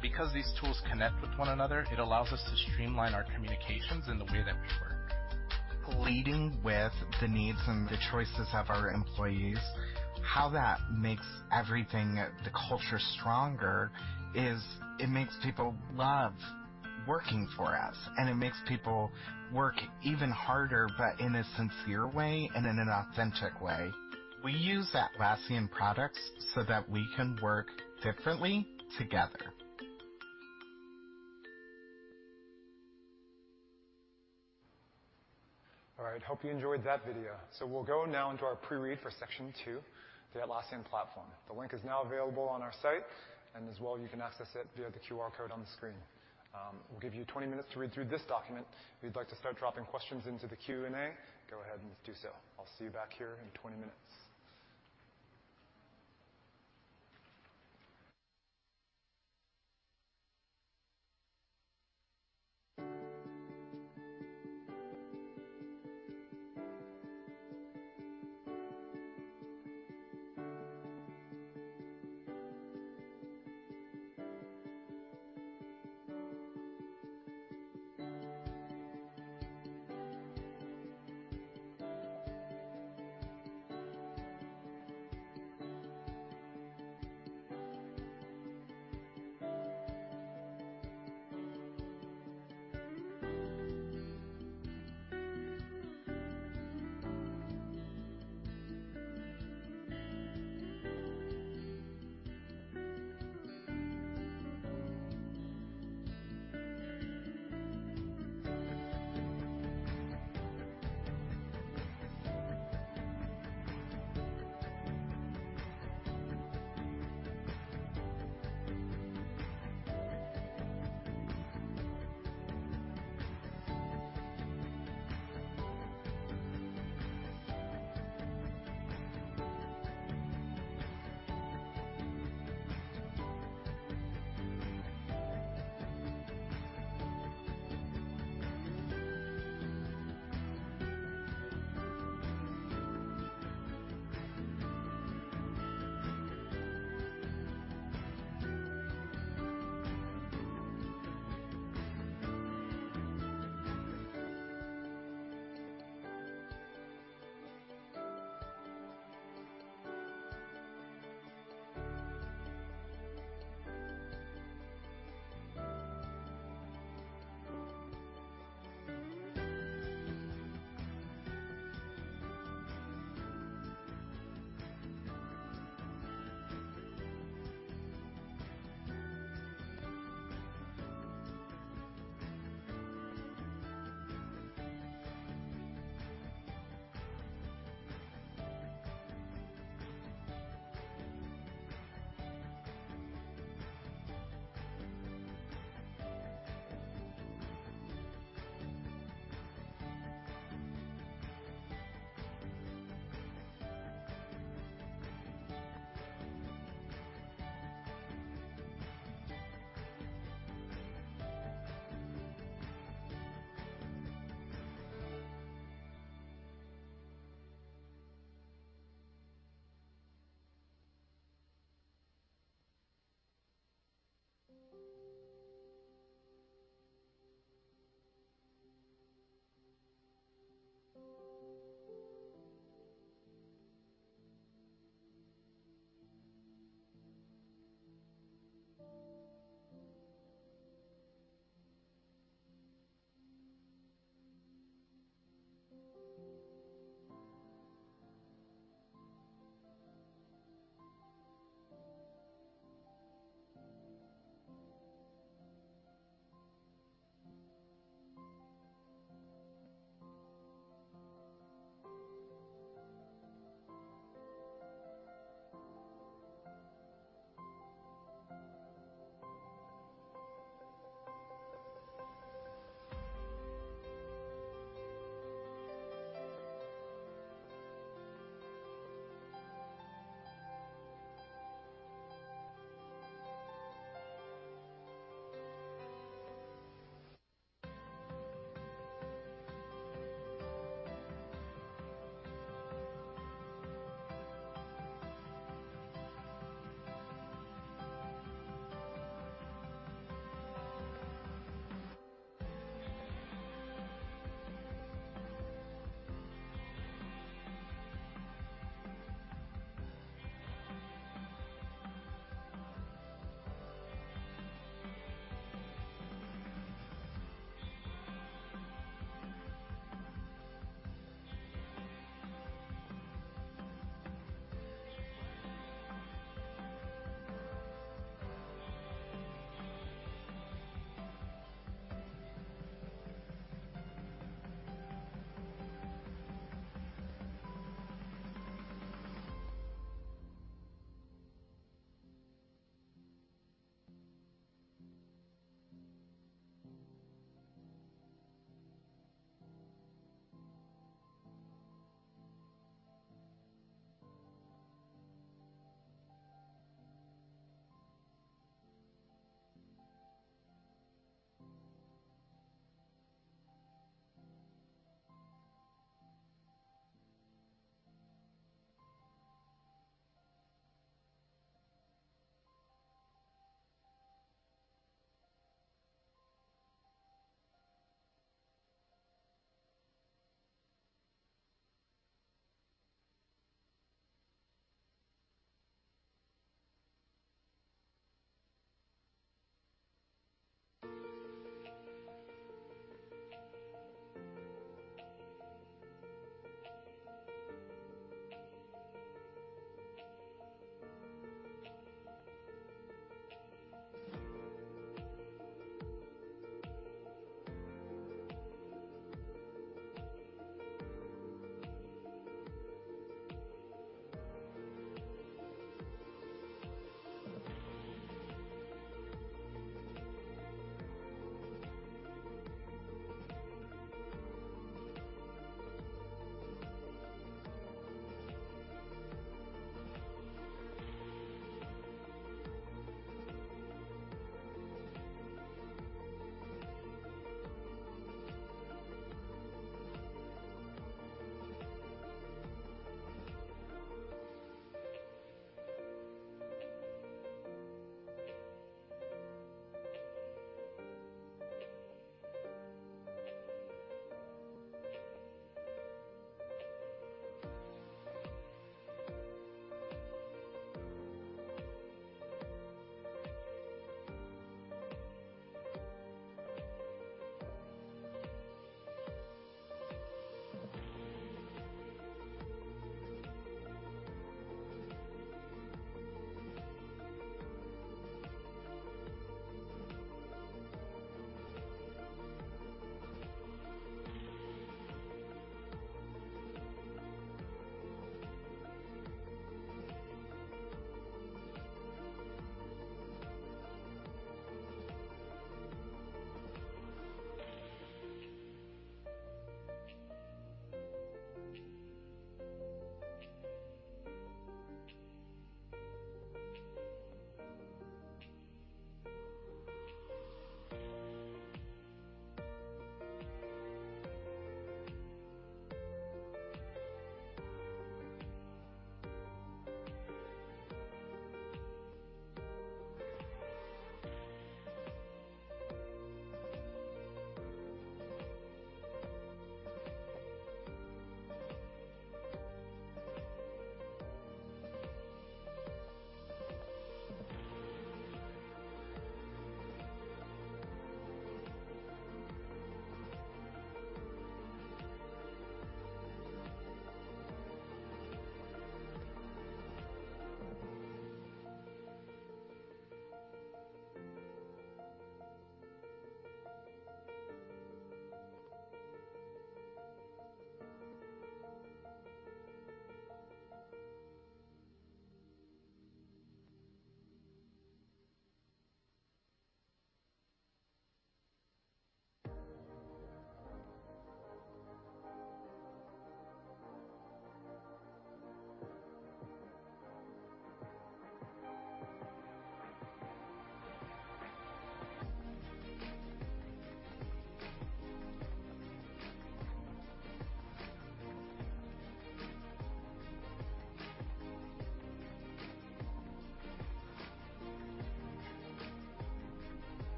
Because these tools connect with one another, it allows us to streamline our communications in the way that we work. Leading with the needs and the choices of our employees, how that makes everything, the culture stronger, as it makes people love working for us, and it makes people work even harder, but in a sincere way and in an authentic way. We use Atlassian products so that we can work differently together. All right. Hope you enjoyed that video. We'll go now into our pre-read for section two, the Atlassian platform. The link is now available on our site, and as well, you can access it via the QR code on the screen. We'll give you 20 minutes to read through this document. If you'd like to start dropping questions into the Q&A, go ahead and do so. I'll see you back here in 20 minutes.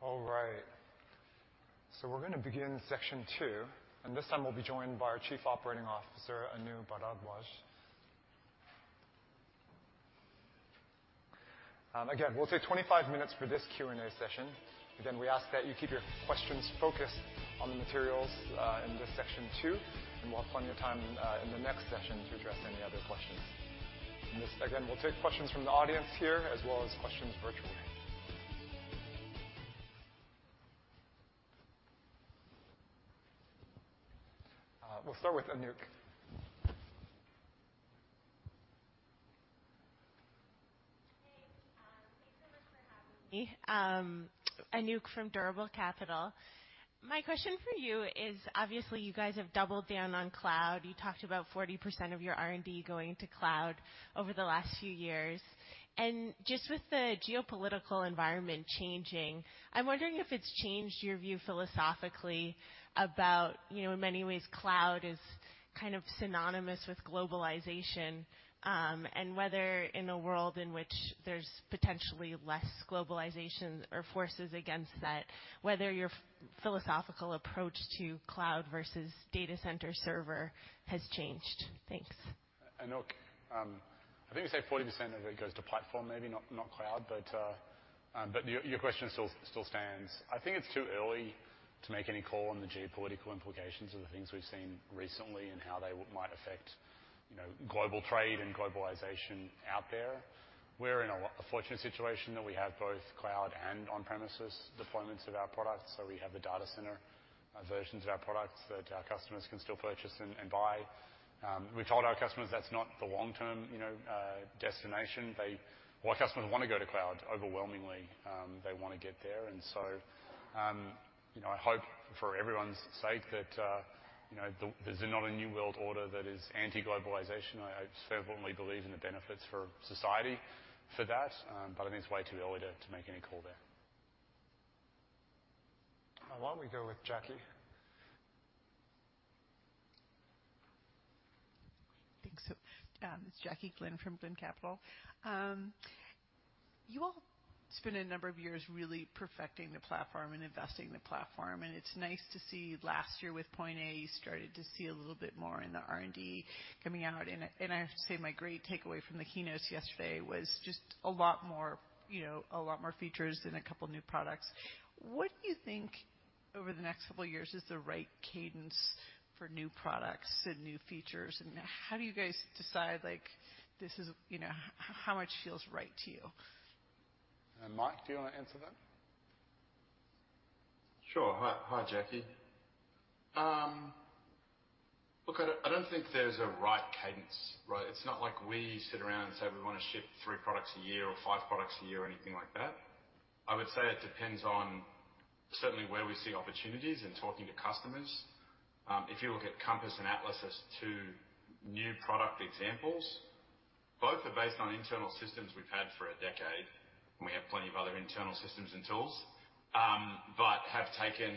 All right. We're gonna begin section two, and this time we'll be joined by our Chief Operating Officer, Anu Bharadwaj. Again, we'll take 25 minutes for this Q&A session. Again, we ask that you keep your questions focused on the materials in this section two, and we'll appoint your time in the next session to address any other questions. This, again, we'll take questions from the audience here as well as questions virtually. We'll start with Anouk. Hey, thank you so much for having me. Anouk from Durable Capital. My question for you is, obviously, you guys have doubled down on Cloud. You talked about 40% of your R&D going to Cloud over the last few years. Just with the geopolitical environment changing, I'm wondering if it's changed your view philosophically about, you know, in many ways Cloud is kind of synonymous with globalization, and whether in a world in which there's potentially less globalization or forces against that, whether your philosophical approach to Cloud versus Data Center server has changed? Thanks. Anouk, I think we say 40% of it goes to platform, maybe not Cloud, but your question still stands. I think it's too early to make any call on the geopolitical implications of the things we've seen recently and how they might affect, you know, global trade and globalization out there. We're in a fortunate situation that we have both Cloud and on-premises deployments of our products. We have the Data Center versions of our products that our customers can still purchase and buy. We've told our customers that's not the long-term, you know, destination. Our customers wanna go to Cloud overwhelmingly. They wanna get there. I hope for everyone's sake that, you know, there's not a new world order that is anti-globalization. I certainly believe in the benefits for society for that. I think it's way too early to make any call there. Why don't we go with Jackie? Thanks. It's Jackie Glynn from Glynn Capital. You all spent a number of years really perfecting the platform and investing in the platform, and it's nice to see last year with Point A, you started to see a little bit more in the R&D coming out. I have to say my great takeaway from the keynotes yesterday was just a lot more, you know, a lot more features and a couple of new products. What do you think? Over the next couple years is the right cadence for new products and new features. How do you guys decide, like, this is, you know, how much feels right to you? Mike, do you wanna answer that? Sure. Hi. Hi, Jackie. Look, I don't think there's a right cadence, right? It's not like we sit around and say we wanna ship three products a year or five products a year or anything like that. I would say it depends on certainly where we see opportunities in talking to customers. If you look at Compass and Atlas as two new product examples, both are based on internal systems we've had for a decade, and we have plenty of other internal systems and tools but have taken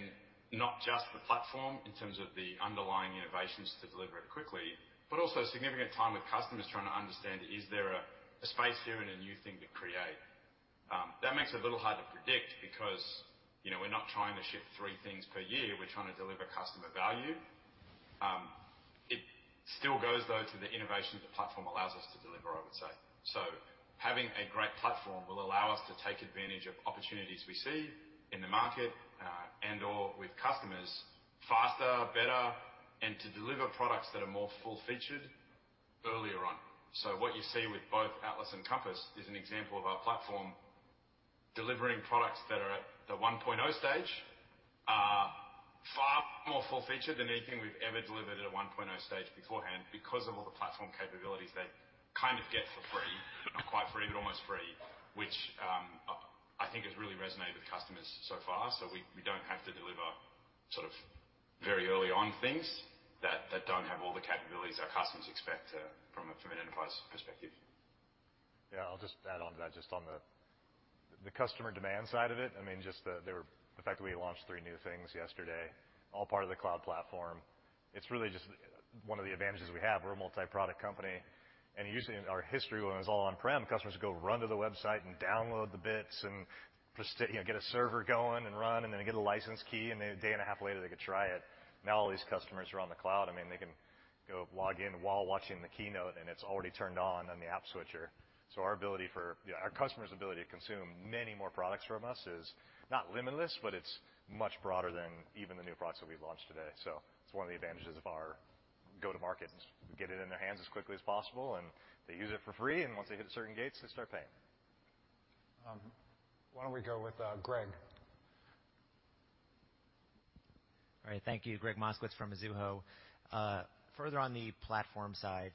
not just the platform in terms of the underlying innovations to deliver it quickly, but also significant time with customers trying to understand is there a space here and a new thing to create. That makes it a little hard to predict because, you know, we're not trying to ship three things per year. We're trying to deliver customer value. It still goes, though, to the innovation the platform allows us to deliver, I would say. Having a great platform will allow us to take advantage of opportunities we see in the market, and or with customers faster, better, and to deliver products that are more full-featured earlier on. What you see with both Atlas and Compass is an example of our platform delivering products that are at the 1.0 stage, far more full-featured than anything we've ever delivered at a 1.0 stage beforehand because of all the platform capabilities they kind of get for free. Not quite free, but almost free, which, I think has really resonated with customers so far. We don't have to deliver sort of very early on things that don't have all the capabilities our customers expect from an enterprise perspective. Yeah. I'll just add on to that just on the customer demand side of it. I mean, just the fact that we launched three new things yesterday, all part of the Cloud platform. It's really just one of the advantages we have. We're a multi-product company, and usually in our history, when it was all on-prem, customers go run to the website and download the bits and just, you know, get a server going and run, and then get a license key, and then a day and a half later, they could try it. Now all these customers are on the Cloud. I mean, they can go log in while watching the keynote, and it's already turned on on the app switcher. Our ability for. Our customer's ability to consume many more products from us is not limitless, but it's much broader than even the new products that we've launched today. It's one of the advantages of our go to market. Get it in their hands as quickly as possible, and they use it for free, and once they hit certain gates, they start paying. Why don't we go with Gregg? All right. Thank you. Gregg Moskowitz from Mizuho. Further on the platform side,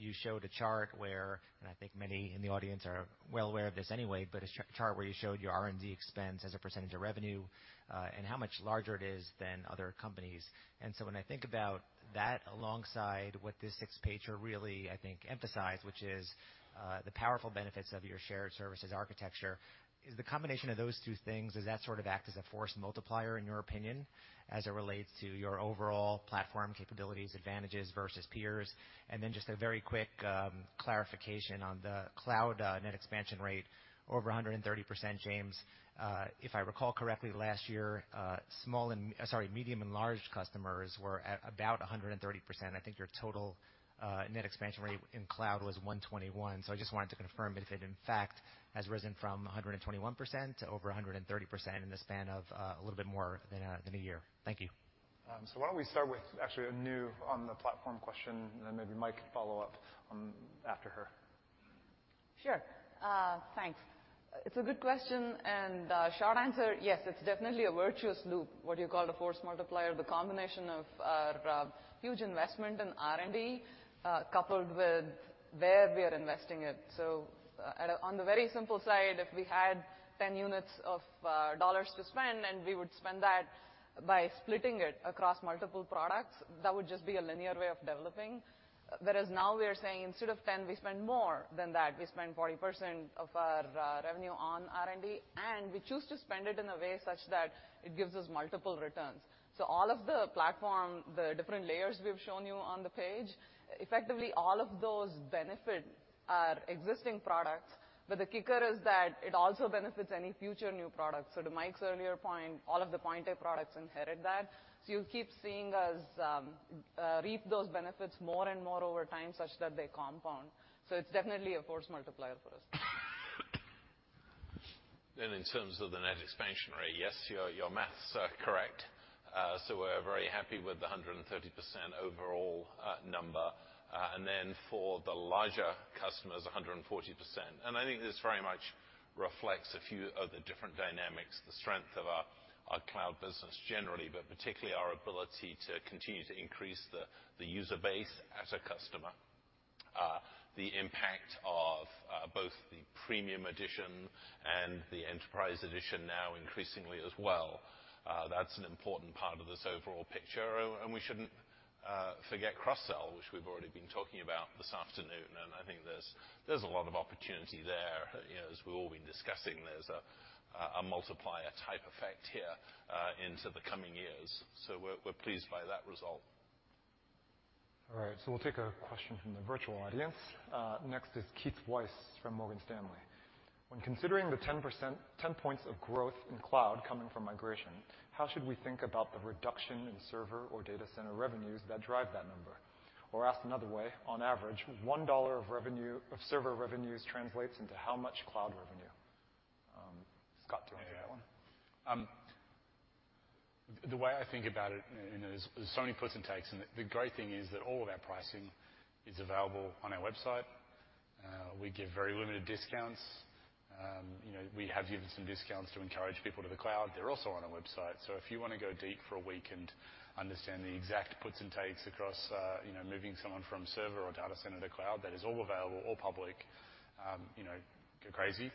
you showed a chart where, and I think many in the audience are well aware of this anyway, your R&D expense as a percentage of revenue and how much larger it is than other companies. When I think about that alongside what this six-page really, I think, emphasized, which is the powerful benefits of your shared services architecture. Does the combination of those two things sort of act as a force multiplier in your opinion as it relates to your overall platform capabilities, advantages versus peers? Then just a very quick clarification on the Cloud net expansion rate over 130%, James. If I recall correctly, last year, small and... Sorry, medium and large customers were at about 130%. I think your total, net expansion rate in Cloud was 121. I just wanted to confirm if it in fact has risen from 121% to over 130% in the span of a little bit more than a year. Thank you. Why don't we start with actually Anu on the platform question, and then maybe Mike can follow up after her. Sure. Thanks. It's a good question, and short answer, yes, it's definitely a virtuous loop, what you call the force multiplier, the combination of our huge investment in R&D, coupled with where we are investing it. On the very simple side, if we had 10 units of dollars to spend, and we would spend that by splitting it across multiple products, that would just be a linear way of developing. Whereas now we are saying instead of 10, we spend more than that. We spend 40% of our revenue on R&D, and we choose to spend it in a way such that it gives us multiple returns. All of the platform, the different layers we've shown you on the page, effectively all of those benefit our existing products, but the kicker is that it also benefits any future new products. To Mike's earlier point, all of the Point A products inherit that. You'll keep seeing us reap those benefits more and more over time such that they compound. It's definitely a force multiplier for us. In terms of the net expansion rate, yes, your math is correct. We're very happy with the 130% overall number. Then for the larger customers, 140%. I think this very much reflects a few of the different dynamics, the strength of our Cloud business generally, but particularly our ability to continue to increase the user base as a customer. The impact of both the premium edition and the enterprise edition now increasingly as well. That's an important part of this overall picture. We shouldn't forget cross-sell, which we've already been talking about this afternoon. I think there's a lot of opportunity there. You know, as we've all been discussing, there's a multiplier type effect here into the coming years. We're pleased by that result. All right. We'll take a question from the virtual audience. Next is Keith Weiss from Morgan Stanley. When considering the 10 points of growth in Cloud coming from migration, how should we think about the reduction in server or Data Center revenues that drive that number? Or asked another way, on average, $1 of server revenues translates into how much Cloud revenue? Do you want to take that one? The way I think about it, you know, is there's so many puts and takes, and the great thing is that all of our pricing is available on our website. We give very limited discounts. You know, we have given some discounts to encourage people to the Cloud. They're also on our website. If you want to go deep for a week and understand the exact puts and takes across, you know, moving someone from server or Data Center to the Cloud, that is all available, all public, you know, go crazy.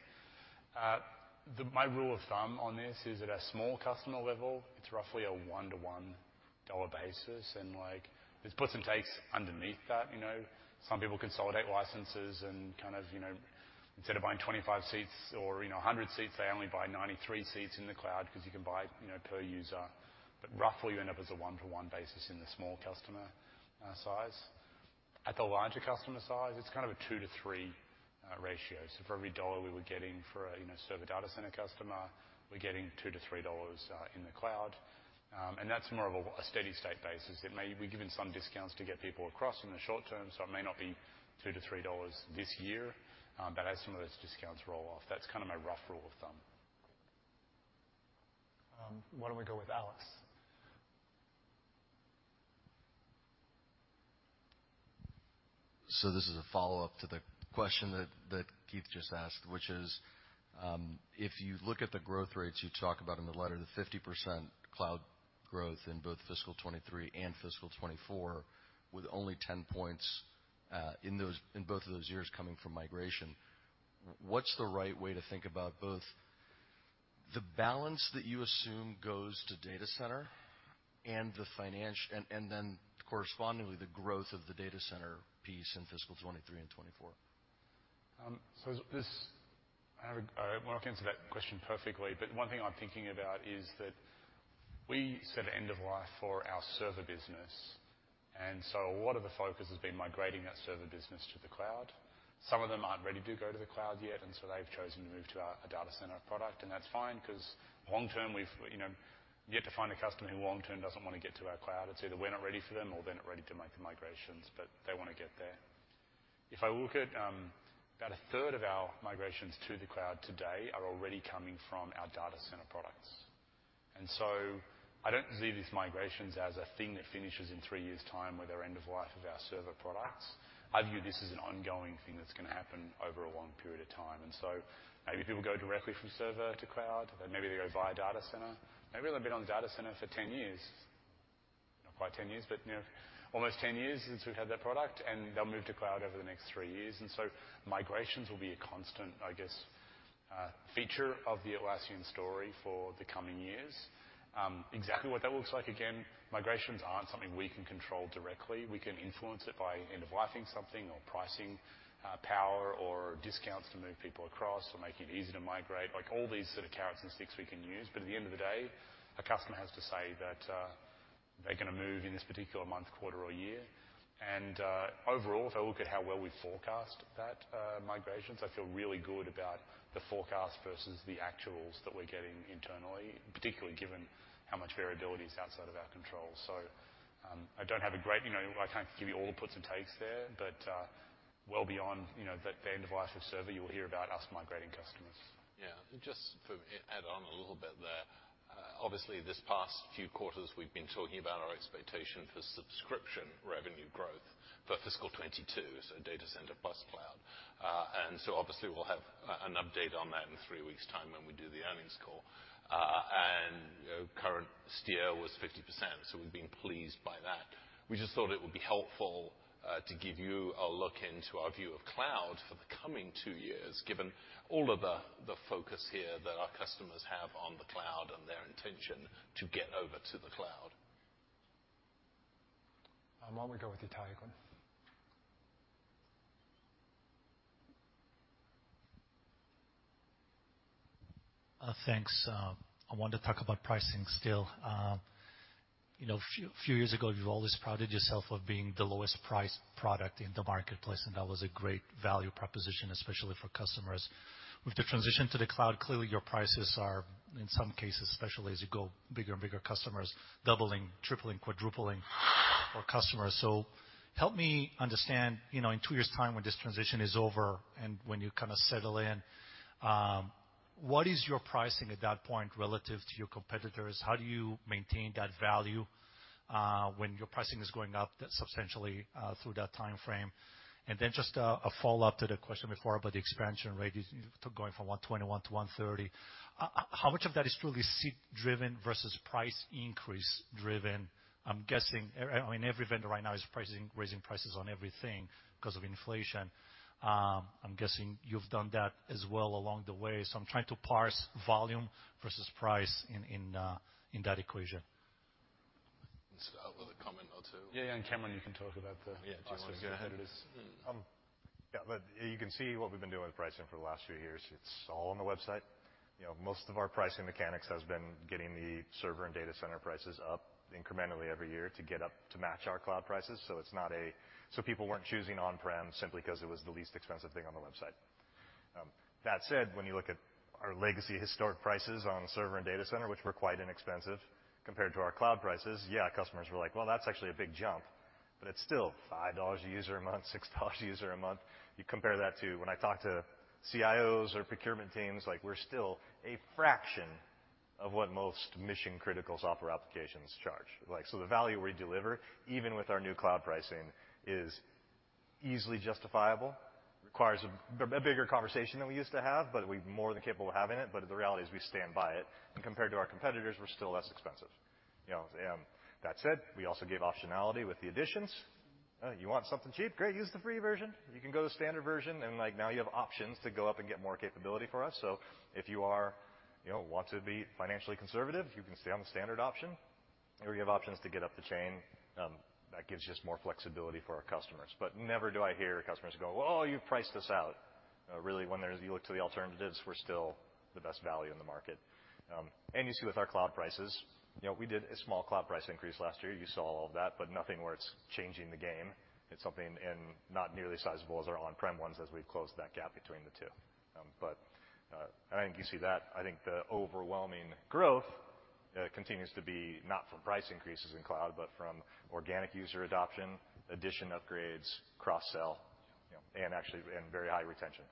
My rule of thumb on this is at a small customer level, it's roughly a one-to-one dollar basis, and like, there's puts and takes underneath that, you know. Some people consolidate licenses and kind of, you know, instead of buying 25 seats or, you know, 100 seats, they only buy 93 seats in the Cloud because you can buy, you know, per user. Roughly, you end up as one-to-one basis in the small customer size. At the larger customer size, it's kind of a 2:3 ratio. For every $1 we were getting for a, you know, Server Data Center customer, we're getting $2-$3 in the Cloud. That's more of a steady state basis. It may be we've given some discounts to get people across in the short term, so it may not be $2-$3 this year. As some of those discounts roll off, that's kind of my rough rule of thumb. Why don't we go with Alex? This is a follow-up to the question that Keith just asked, which is, if you look at the growth rates you talk about in the letter, the 50% Cloud growth in both fiscal 2023 and fiscal 2024, with only 10 points in those, in both of those years coming from migration, what's the right way to think about both the balance that you assume goes to Data Center and then correspondingly the growth of the Data Center piece in fiscal 2023 and 2024? I won't answer that question perfectly, but one thing I'm thinking about is that we set end of life for our Server business, and so a lot of the focus has been migrating that Server business to the Cloud. Some of them aren't ready to go to the Cloud yet, and so they've chosen to move to our Data Center product, and that's fine because long term, we've, you know, yet to find a customer who long term doesn't want to get to our Cloud. It's either we're not ready for them or they're not ready to make the migrations, but they want to get there. If I look at about a third of our migrations to the Cloud today are already coming from our Data Center products. I don't see these migrations as a thing that finishes in three years' time with our end of life of our server products. I view this as an ongoing thing that's going to happen over a long period of time. Maybe people go directly from server to Cloud, then maybe they go via Data Center. Maybe they've been on Data Center for 10 years. Not quite 10 years, but you know, almost 10 years since we've had that product, and they'll move to Cloud over the next three years. Migrations will be a constant, I guess, feature of the Atlassian story for the coming years. Exactly what that looks like, again, migrations aren't something we can control directly. We can influence it by end-of-lifing something or pricing power or discounts to move people across or make it easy to migrate, like all these sort of carrots and sticks we can use. At the end of the day, a customer has to say that they're gonna move in this particular month, quarter or year. Overall, if I look at how well we forecast that migrations, I feel really good about the forecast versus the actuals that we're getting internally, particularly given how much variability is outside of our control. I don't have a great, you know, I can't give you all the puts and takes there, but well beyond, you know, the end of life of server, you will hear about us migrating customers. Yeah. Just to add on a little bit there. Obviously this past few quarters, we've been talking about our expectation for subscription revenue growth for fiscal 2022, so Data Center plus Cloud. Obviously we'll have an update on that in three weeks' time when we do the earnings call. Current steer was 50%, so we've been pleased by that. We just thought it would be helpful to give you a look into our view of Cloud for the coming two years, given all of the focus here that our customers have on the Cloud and their intention to get over to the Cloud. Why don't we go with Itay again? Thanks. I want to talk about pricing still. You know, few years ago, you've always prided yourself on being the lowest price product in the marketplace, and that was a great value proposition, especially for customers. With the transition to the Cloud, clearly your prices are, in some cases, especially as you go bigger and bigger customers, doubling, tripling, quadrupling for customers. Help me understand, you know, in two years' time when this transition is over and when you kind of settle in, what is your pricing at that point relative to your competitors? How do you maintain that value when your pricing is going up substantially through that timeframe? Then just a follow-up to the question before about the expansion rate is going from 121% to 130%. How much of that is truly seat driven versus price increase driven? I'm guessing, I mean, every vendor right now is pricing, raising prices on everything 'cause of inflation. I'm guessing you've done that as well along the way. I'm trying to parse volume versus price in that equation. Let's start with a comment or two. Yeah. Cannon, you can talk about the- Yeah. Do you want to go ahead of this? Mm-hmm. Yeah, but you can see what we've been doing with pricing for the last few years. It's all on the website. You know, most of our pricing mechanics has been getting the server and Data Center prices up incrementally every year to get up to match our Cloud prices. People weren't choosing on-prem simply 'cause it was the least expensive thing on the website. That said, when you look at our legacy historic prices on server and Data Center, which were quite inexpensive compared to our Cloud prices, yeah, customers were like, "Well, that's actually a big jump. It's still $5 a user a month, $6 a user a month. You compare that to when I talk to CIOs or procurement teams, like, we're still a fraction of what most mission-critical software applications charge. Like, the value we deliver, even with our new Cloud pricing, is easily justifiable. It requires a bigger conversation than we used to have, but we're more than capable of having it. The reality is we stand by it, and compared to our competitors, we're still less expensive. You know, that said, we also give optionality with the editions. You want something cheap, great. Use the free version. You can go to standard version and, like, now you have options to go up and get more capability from us. If you are, you know, want to be financially conservative, you can stay on the standard option. You have options to get up the chain. That gives just more flexibility for our customers. Never do I hear customers go, "Well, you've priced us out." Really, you look to the alternatives, we're still the best value in the market. You see with our Cloud prices, you know, we did a small Cloud price increase last year. You saw all of that, but nothing where it's changing the game. It's something not nearly as sizable as our on-prem ones as we've closed that gap between the two. I think you see that. I think the overwhelming growth continues to be not from price increases in Cloud, but from organic user adoption, addition upgrades, cross sell, you know, and actually very high retention.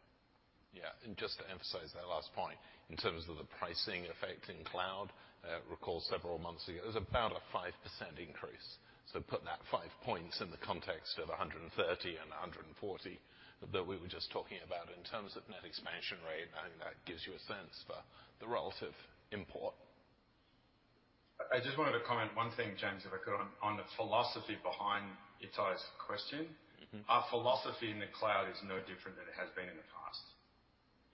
Just to emphasize that last point, in terms of the pricing effect in Cloud, recall several months ago, it was about a 5% increase. Put that 5 points in the context of 130 and 140 that we were just talking about in terms of net expansion rate, I think that gives you a sense for the relative importance. I just wanted to comment one thing, James, if I could, on the philosophy behind Itay's question. Mm-hmm. Our philosophy in the Cloud is no different than it has been in the past.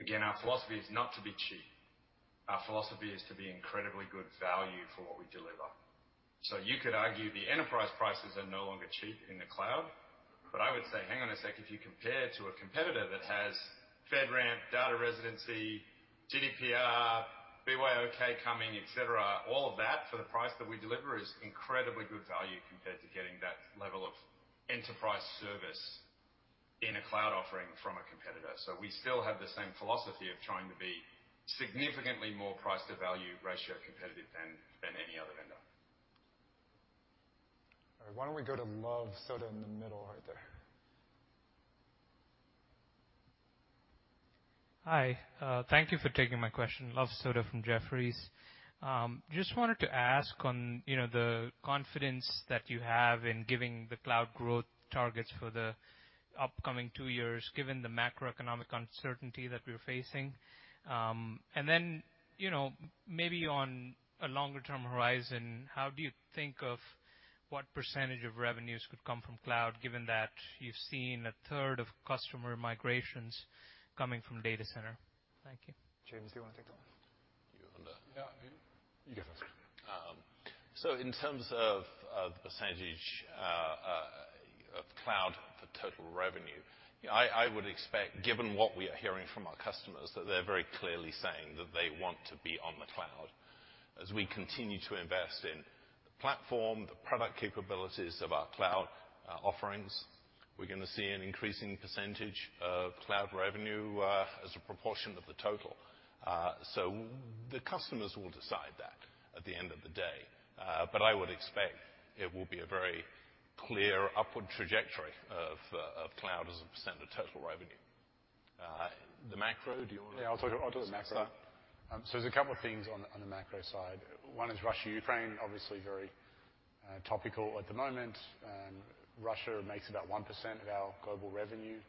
Again, our philosophy is not to be cheap. Our philosophy is to be incredibly good value for what we deliver. You could argue the enterprise prices are no longer cheap in the Cloud. I would say, hang on a sec. If you compare to a competitor that has FedRAMP, data residency, GDPR, BYOK coming, et cetera, all of that for the price that we deliver is incredibly good value compared to getting that level of enterprise service in a Cloud offering from a competitor. We still have the same philosophy of trying to be significantly more price to value ratio competitive than any other vendor. All right. Why don't we go to Luv Sodha in the middle right there? Hi. Thank you for taking my question. Luv Sodha from Jefferies. Just wanted to ask on, you know, the confidence that you have in giving the Cloud growth targets for the upcoming two years, given the macroeconomic uncertainty that we're facing. You know, maybe on a longer term horizon, how do you think of what percentage of revenues could come from Cloud, given that you've seen a third of customer migrations coming from Data Center? Thank you. James, do you wanna take that one? You want to. Yeah. You. You go first. So in terms of the percentage of Cloud for total revenue, I would expect, given what we are hearing from our customers, that they're very clearly saying that they want to be on the Cloud. As we continue to invest in the platform, the product capabilities of our Cloud offerings, we're gonna see an increasing percentage of Cloud revenue as a proportion of the total. So the customers will decide that at the end of the day. But I would expect it will be a very clear upward trajectory of Cloud as a % of total revenue. The macro, do you wanna- Yeah, I'll talk, I'll do the macro. Start? There's a couple of things on the macro side. One is Russia-Ukraine, obviously very topical at the moment. Russia makes about 1% of our global revenue.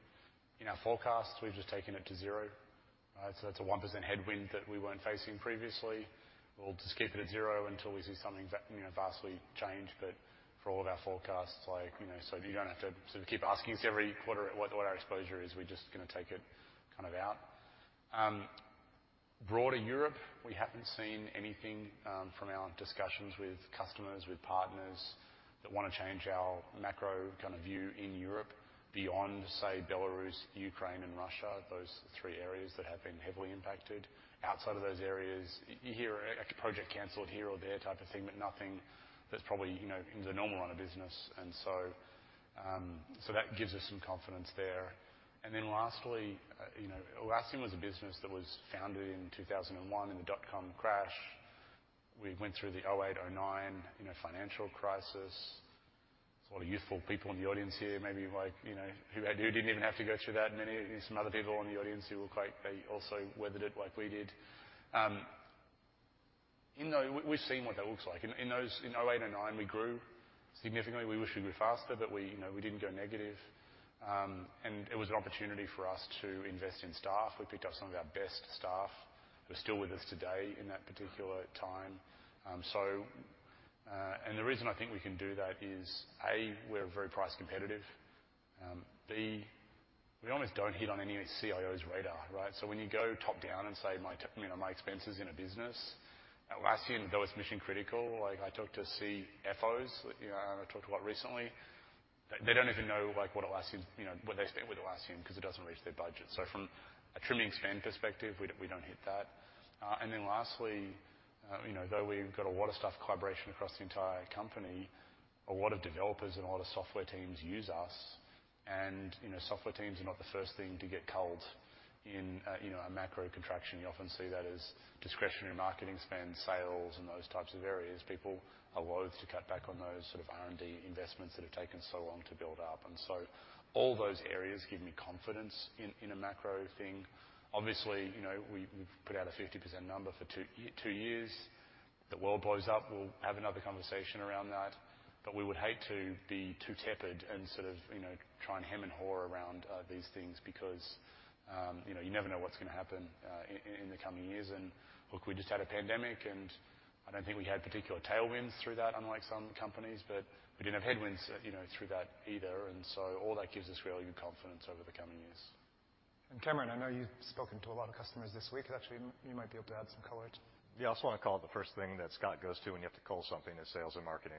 In our forecasts, we've just taken it to zero. So that's a 1% headwind that we weren't facing previously. We'll just keep it at zero until we see something that, you know, vastly change. For all of our forecasts, like, you know, so you don't have to sort of keep asking us every quarter what our exposure is. We're just gonna take it kind of out. Broader Europe, we haven't seen anything from our discussions with customers, with partners that wanna change our macro kind of view in Europe beyond, say, Belarus, Ukraine and Russia, those three areas that have been heavily impacted. Outside of those areas, you hear a project canceled here or there type of thing, but nothing that's probably, you know, in the normal line of business. That gives us some confidence there. Lastly, you know, Atlassian was a business that was founded in 2001 in the dot-com crash. We went through the 2008, 2009, you know, financial crisis. There's a lot of youthful people in the audience here, maybe like, you know, who didn't even have to go through that. Some other people in the audience who look like they also weathered it like we did. You know, we've seen what that looks like. In those, in 2008 and 2009, we grew significantly. We wish we grew faster, but we, you know, we didn't go negative. It was an opportunity for us to invest in staff. We picked up some of our best staff who are still with us today in that particular time. The reason I think we can do that is, A, we're very price competitive. B, we almost don't hit on any CIO's radar, right? When you go top-down and say you know, my expenses in a business, Atlassian, though it's mission-critical, like I talked to CFOs, you know, and I talked about recently, they don't even know, like, what Atlassian's, you know, what they spend with Atlassian 'cause it doesn't reach their budget. From a trim and spend perspective, we don't hit that. Lastly, you know, though we've got a lot of stuff collaboration across the entire company, a lot of developers and a lot of software teams use us. You know, software teams are not the first thing to get culled in a, you know, a macro contraction. You often see that as discretionary marketing spend, sales, and those types of areas. People are loath to cut back on those sort of R&D investments that have taken so long to build up. All those areas give me confidence in a macro thing. Obviously, you know, we've put out a 50% number for two years. The world blows up, we'll have another conversation around that. We would hate to be too tepid and sort of, you know, try and hem and haw around these things because, you know, you never know what's gonna happen in the coming years. Look, we just had a pandemic, and I don't think we had particular tailwinds through that unlike some companies, but we didn't have headwinds, you know, through that either. All that gives us really good confidence over the coming years. Cannon, I know you've spoken to a lot of customers this week. Actually, you might be able to add some color to that. Yeah, I just wanna call it the first thing that Scott goes to when you have to cull something is sales and marketing.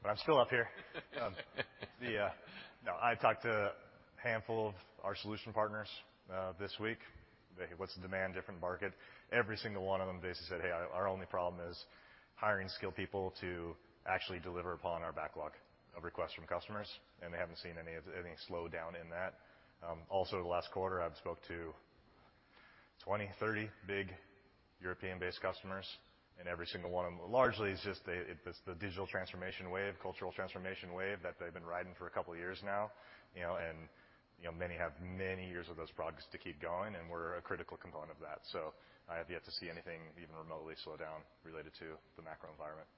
But I'm still up here. No, I talked to a handful of our solution partners this week. What's the demand in different markets. Every single one of them basically said, "Hey, our only problem is hiring skilled people to actually deliver upon our backlog of requests from customers." They haven't seen any slowdown in that. Also the last quarter, I've spoke to 20, 30 big European-based customers, and every single one of them, largely it's just they, it's the digital transformation wave, cultural transformation wave that they've been riding for a couple of years now, you know. You know, many have many years of those products to keep going, and we're a critical component of that. I have yet to see anything even remotely slow down related to the macro environment.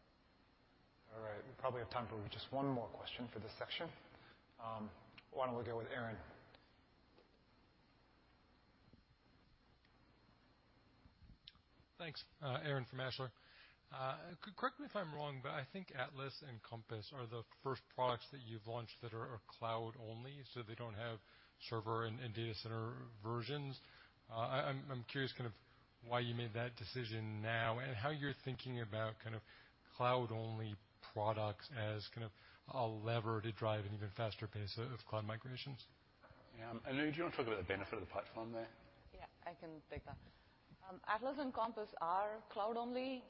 All right. We probably have time for just one more question for this section. Why don't we go with Aaron? Thanks. Aaron from Ashler. Correct me if I'm wrong, but I think Atlas and Compass are the first products that you've launched that are Cloud only, so they don't have server and Data Center versions. I'm curious kind of why you made that decision now and how you're thinking about kind of Cloud-only products as kind of a lever to drive an even faster pace of Cloud migrations. Yeah. Anu, do you wanna talk about the benefit of the platform there? Yeah, I can take that. Atlas and Compass are Cloud only.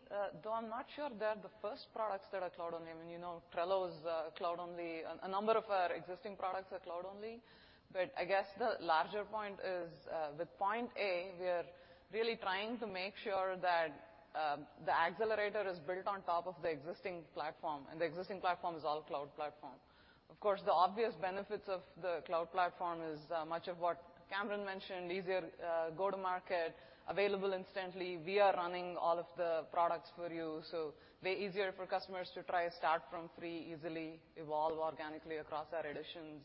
Though I'm not sure they're the first products that are Cloud only. I mean, you know, Trello is Cloud only. A number of our existing products are Cloud only. I guess the larger point is with Point A, we are really trying to make sure that the accelerator is built on top of the existing platform, and the existing platform is all Cloud platform. Of course, the obvious benefits of the Cloud platform is much of what Cameron mentioned, easier go to market, available instantly. We are running all of the products for you, so way easier for customers to try start from free, easily evolve organically across our editions,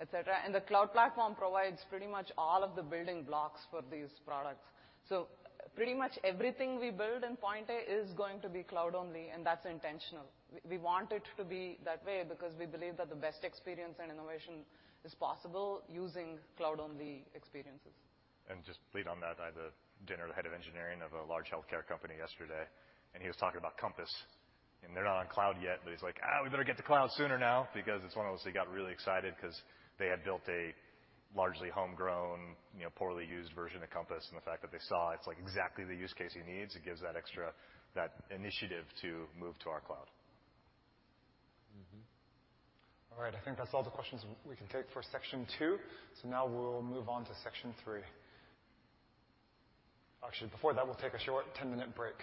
et cetera. The Cloud platform provides pretty much all of the building blocks for these products. Pretty much everything we build in Point A is going to be Cloud only, and that's intentional. We want it to be that way because we believe that the best experience and innovation is possible using Cloud-only experiences. Just lead on that. I had a dinner with the head of engineering of a large healthcare company yesterday, and he was talking about Compass. They're not on Cloud yet, but he's like, "We better get to Cloud sooner now," because it's one of those, he got really excited 'cause they had built a largely homegrown, you know, poorly used version of Compass. The fact that they saw it's like exactly the use case he needs, it gives that extra, that initiative to move to our Cloud. All right. I think that's all the questions we can take for section two. Now we'll move on to section three. Actually, before that, we'll take a short 10-minute break.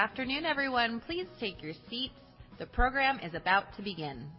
Good afternoon, everyone. Please take your seats. The program is about to begin.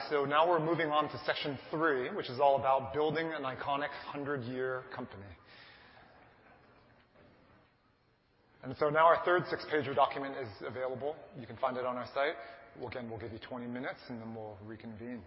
All right. Welcome back. Now we're moving on to section three, which is all about building an iconic hundred-year company. Now our third six-pager document is available. You can find it on our site. Again, we'll give you 20 minutes, and then we'll reconvene.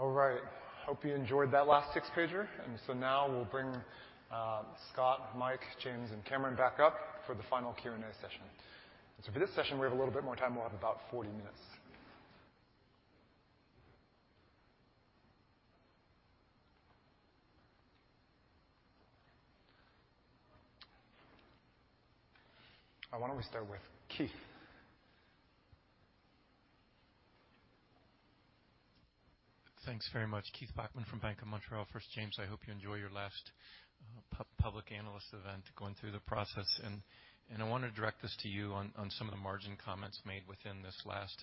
No, no. Just no video on this one. All right. Hope you enjoyed that last six-pager. Now we'll bring Scott, Mike, James, and Cameron back up for the final Q&A session. For this session, we have a little bit more time. We'll have about 40 minutes. Why don't we start with Keith? Thanks very much. Keith Bachman from Bank of Montreal. First, James, I hope you enjoy your last public analyst event going through the process. I want to direct this to you on some of the margin comments made within this last.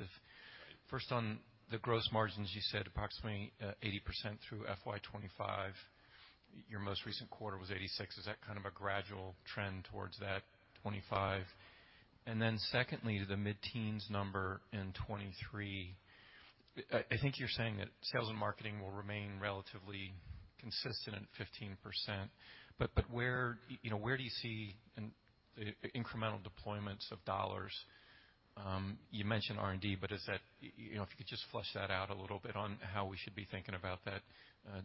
First on the gross margins, you said approximately 80% through FY 2025. Your most recent quarter was 86%. Is that kind of a gradual trend towards that 2025? Then secondly, to the mid-teens number in 2023, I think you're saying that sales and marketing will remain relatively consistent in 15%, but where, you know, where do you see an incremental deployments of dollars? You mentioned R&D, but is that? You know, if you could just flesh that out a little bit on how we should be thinking about that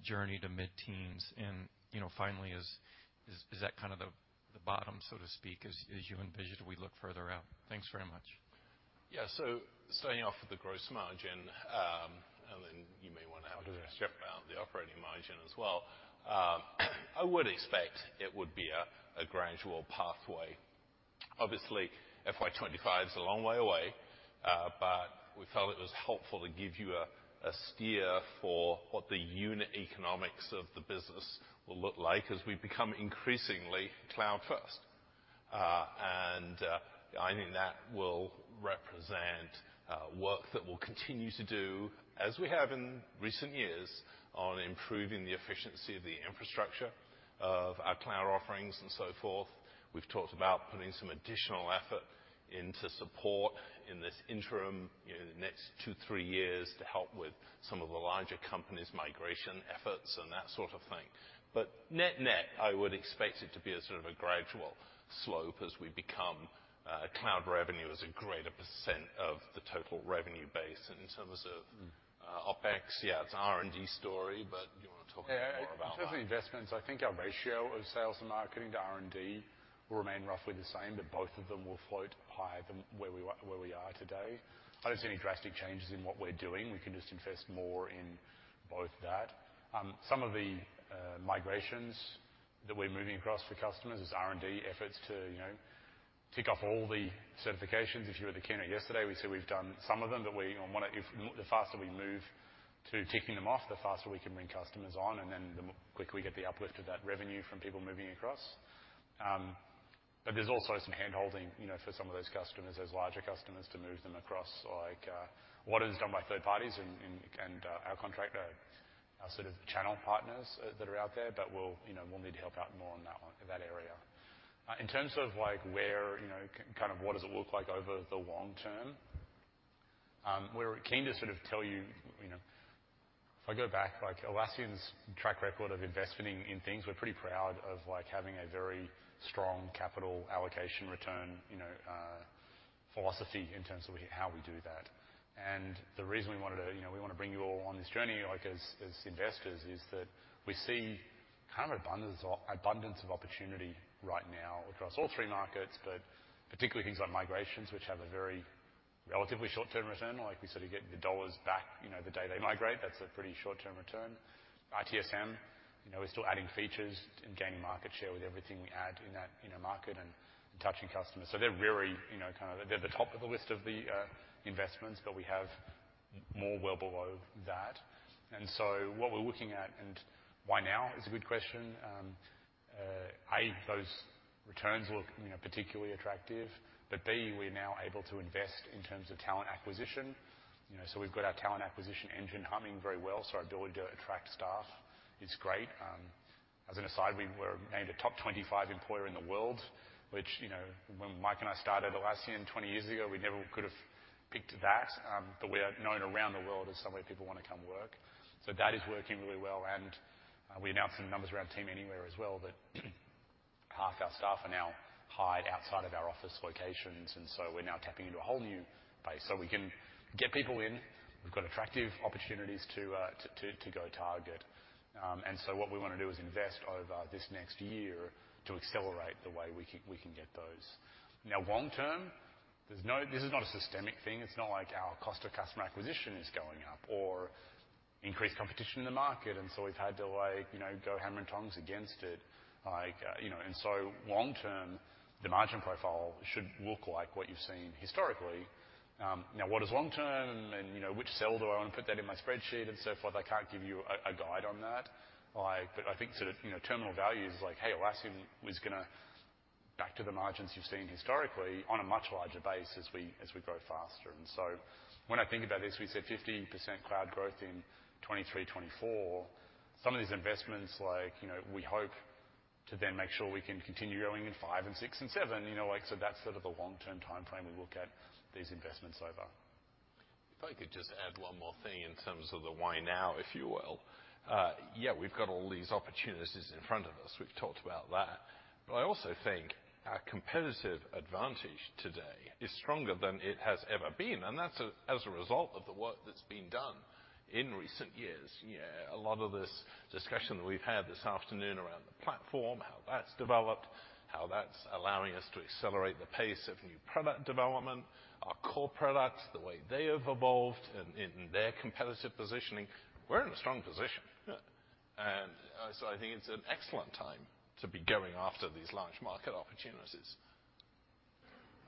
journey to mid-teens. You know, finally, is that kind of the bottom, so to speak, as you envision we look further out? Thanks very much. Yeah. Starting off with the gross margin, and then you may wanna have- Okay. the operating margin as well. I would expect it would be a gradual pathway. Obviously, FY 2025 is a long way away, but we felt it was helpful to give you a steer for what the unit economics of the business will look like as we become increasingly Cloud first. I think that will represent work that we'll continue to do as we have in recent years on improving the efficiency of the infrastructure of our Cloud offerings and so forth. We've talked about putting some additional effort into support in this interim, you know, the next two, three years to help with some of the larger companies' migration efforts and that sort of thing. Net-net, I would expect it to be a sort of a gradual slope as we become Cloud revenue as a greater percent of the total revenue base. In terms of OpEx, yeah, it's R&D story, but do you wanna talk a bit more about that? Yeah. In terms of investments, I think our ratio of sales and marketing to R&D will remain roughly the same, but both of them will float higher than where we are today. I don't see any drastic changes in what we're doing. We can just invest more in both that. Some of the migrations that we're moving across for customers is R&D efforts to, you know, tick off all the certifications. If you were at the keynote yesterday, we said we've done some of them, but we, you know, wanna the faster we move to ticking them off, the faster we can bring customers on, and then the quicker we get the uplift of that revenue from people moving across. There's also some hand-holding, you know, for some of those customers, those larger customers to move them across, like, what is done by third parties and our contractor, our sort of channel partners, that are out there, but we'll, you know, we'll need to help out more on that one, that area. In terms of, like, where, you know, kind of what does it look like over the long term, we're keen to sort of tell you know. If I go back, like, Atlassian's track record of investing in things, we're pretty proud of, like, having a very strong capital allocation return, you know, philosophy in terms of how we do that. The reason we wanted to, you know, we wanna bring you all on this journey, like, as investors, is that we see kind of abundance of opportunity right now across all three markets, but particularly things like migrations, which have a very relatively short-term return. Like, we sort of get the dollars back, you know, the day they migrate. That's a pretty short-term return. ITSM, you know, we're still adding features and gaining market share with everything we add in that, you know, market and touching customers. So they're very, you know, kind of. They're the top of the list of the investments, but we have more well below that. What we're looking at, and why now is a good question, A, those returns look, you know, particularly attractive, but B, we're now able to invest in terms of talent acquisition. You know, we've got our talent acquisition engine humming very well, so our ability to attract staff is great. As an aside, we were named a top 25 employer in the world, which, you know, when Mike and I started Atlassian 20 years ago, we never could've picked that, but we are known around the world as somewhere people wanna come work. That is working really well, and we announced some numbers around Team Anywhere as well, that half our staff are now hired outside of our office locations, and we're now tapping into a whole new base. We can get people in. We've got attractive opportunities to go target. What we wanna do is invest over this next year to accelerate the way we can get those. Now long term, there's no... This is not a systemic thing. It's not like our cost of customer acquisition is going up or increased competition in the market, and so we've had to, like, you know, go hammer and tongs against it. Like, you know, and so long term, the margin profile should look like what you've seen historically. Now what is long term and, you know, which cell do I wanna put that in my spreadsheet and so forth, I can't give you a guide on that. Like, but I think sort of, you know, terminal value is like, hey, Atlassian is gonna get back to the margins you've seen historically on a much larger base as we grow faster. When I think about this, we said 50% Cloud growth in 2023, 2024. Some of these investments, like, you know, we hope to then make sure we can continue growing in five and six and seven. You know, like, that's sort of the long-term timeframe we look at these investments over. If I could just add one more thing in terms of the why now, if you will. Yeah, we've got all these opportunities in front of us. We've talked about that. I also think our competitive advantage today is stronger than it has ever been, and that's as a result of the work that's been done in recent years. Yeah, a lot of this discussion that we've had this afternoon around the platform, how that's developed, how that's allowing us to accelerate the pace of new product development, our core products, the way they have evolved in their competitive positioning. We're in a strong position. Yeah. I think it's an excellent time to be going after these large market opportunities.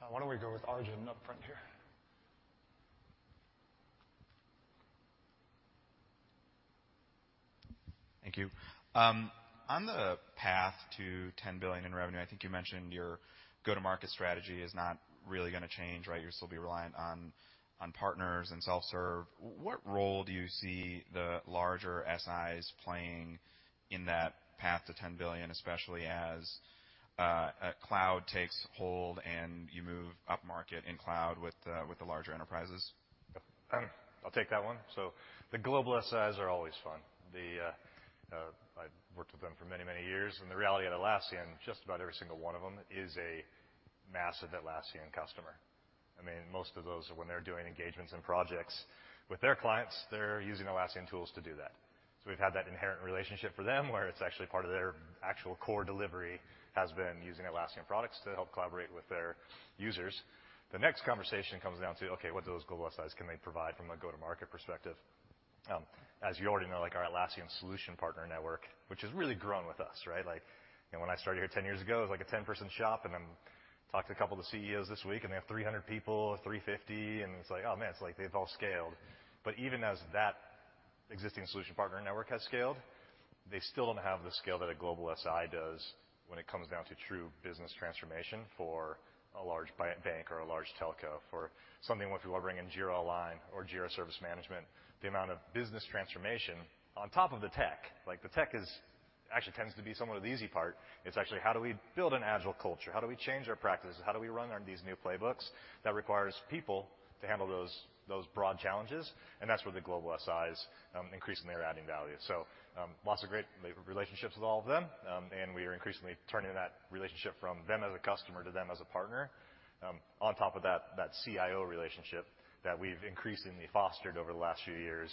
Why don't we go with Arjun up front here? Thank you. On the path to $10 billion in revenue, I think you mentioned your go-to-market strategy is not really gonna change, right? You'll still be reliant on partners and self-serve. What role do you see the larger SIs playing in that path to $10 billion, especially as Cloud takes hold and you move upmarket in Cloud with the larger enterprises? I'll take that one. The global SIs are always fun. I've worked with them for many years, and the reality at Atlassian, just about every single one of them is a massive Atlassian customer. I mean, most of those, when they're doing engagements and projects with their clients, they're using Atlassian tools to do that. We've had that inherent relationship for them, where it's actually part of their actual core delivery has been using Atlassian products to help collaborate with their users. The next conversation comes down to, okay, what those global SIs can they provide from a go-to-market perspective. As you already know, like our Atlassian solution partner network, which has really grown with us, right? Like, you know, when I started here 10 years ago, it was like a 10-person shop, and I'm talking to a couple of the CEOs this week, and they have 300 people or 350, and it's like, oh, man, it's like they've all scaled. Even as that existing solution partner network has scaled, they still don't have the scale that a global SI does when it comes down to true business transformation for a large bank or a large telco. For something, if you are bringing Jira Online or Jira Service Management, the amount of business transformation on top of the tech, like the tech is. Actually tends to be somewhat of the easy part. It's actually how do we build an agile culture? How do we change our practices? How do we run on these new playbooks that requires people to handle those broad challenges? That's where the global SIs increasingly are adding value. Lots of great relationships with all of them. We are increasingly turning that relationship from them as a customer to them as a partner. On top of that CIO relationship that we've increasingly fostered over the last few years.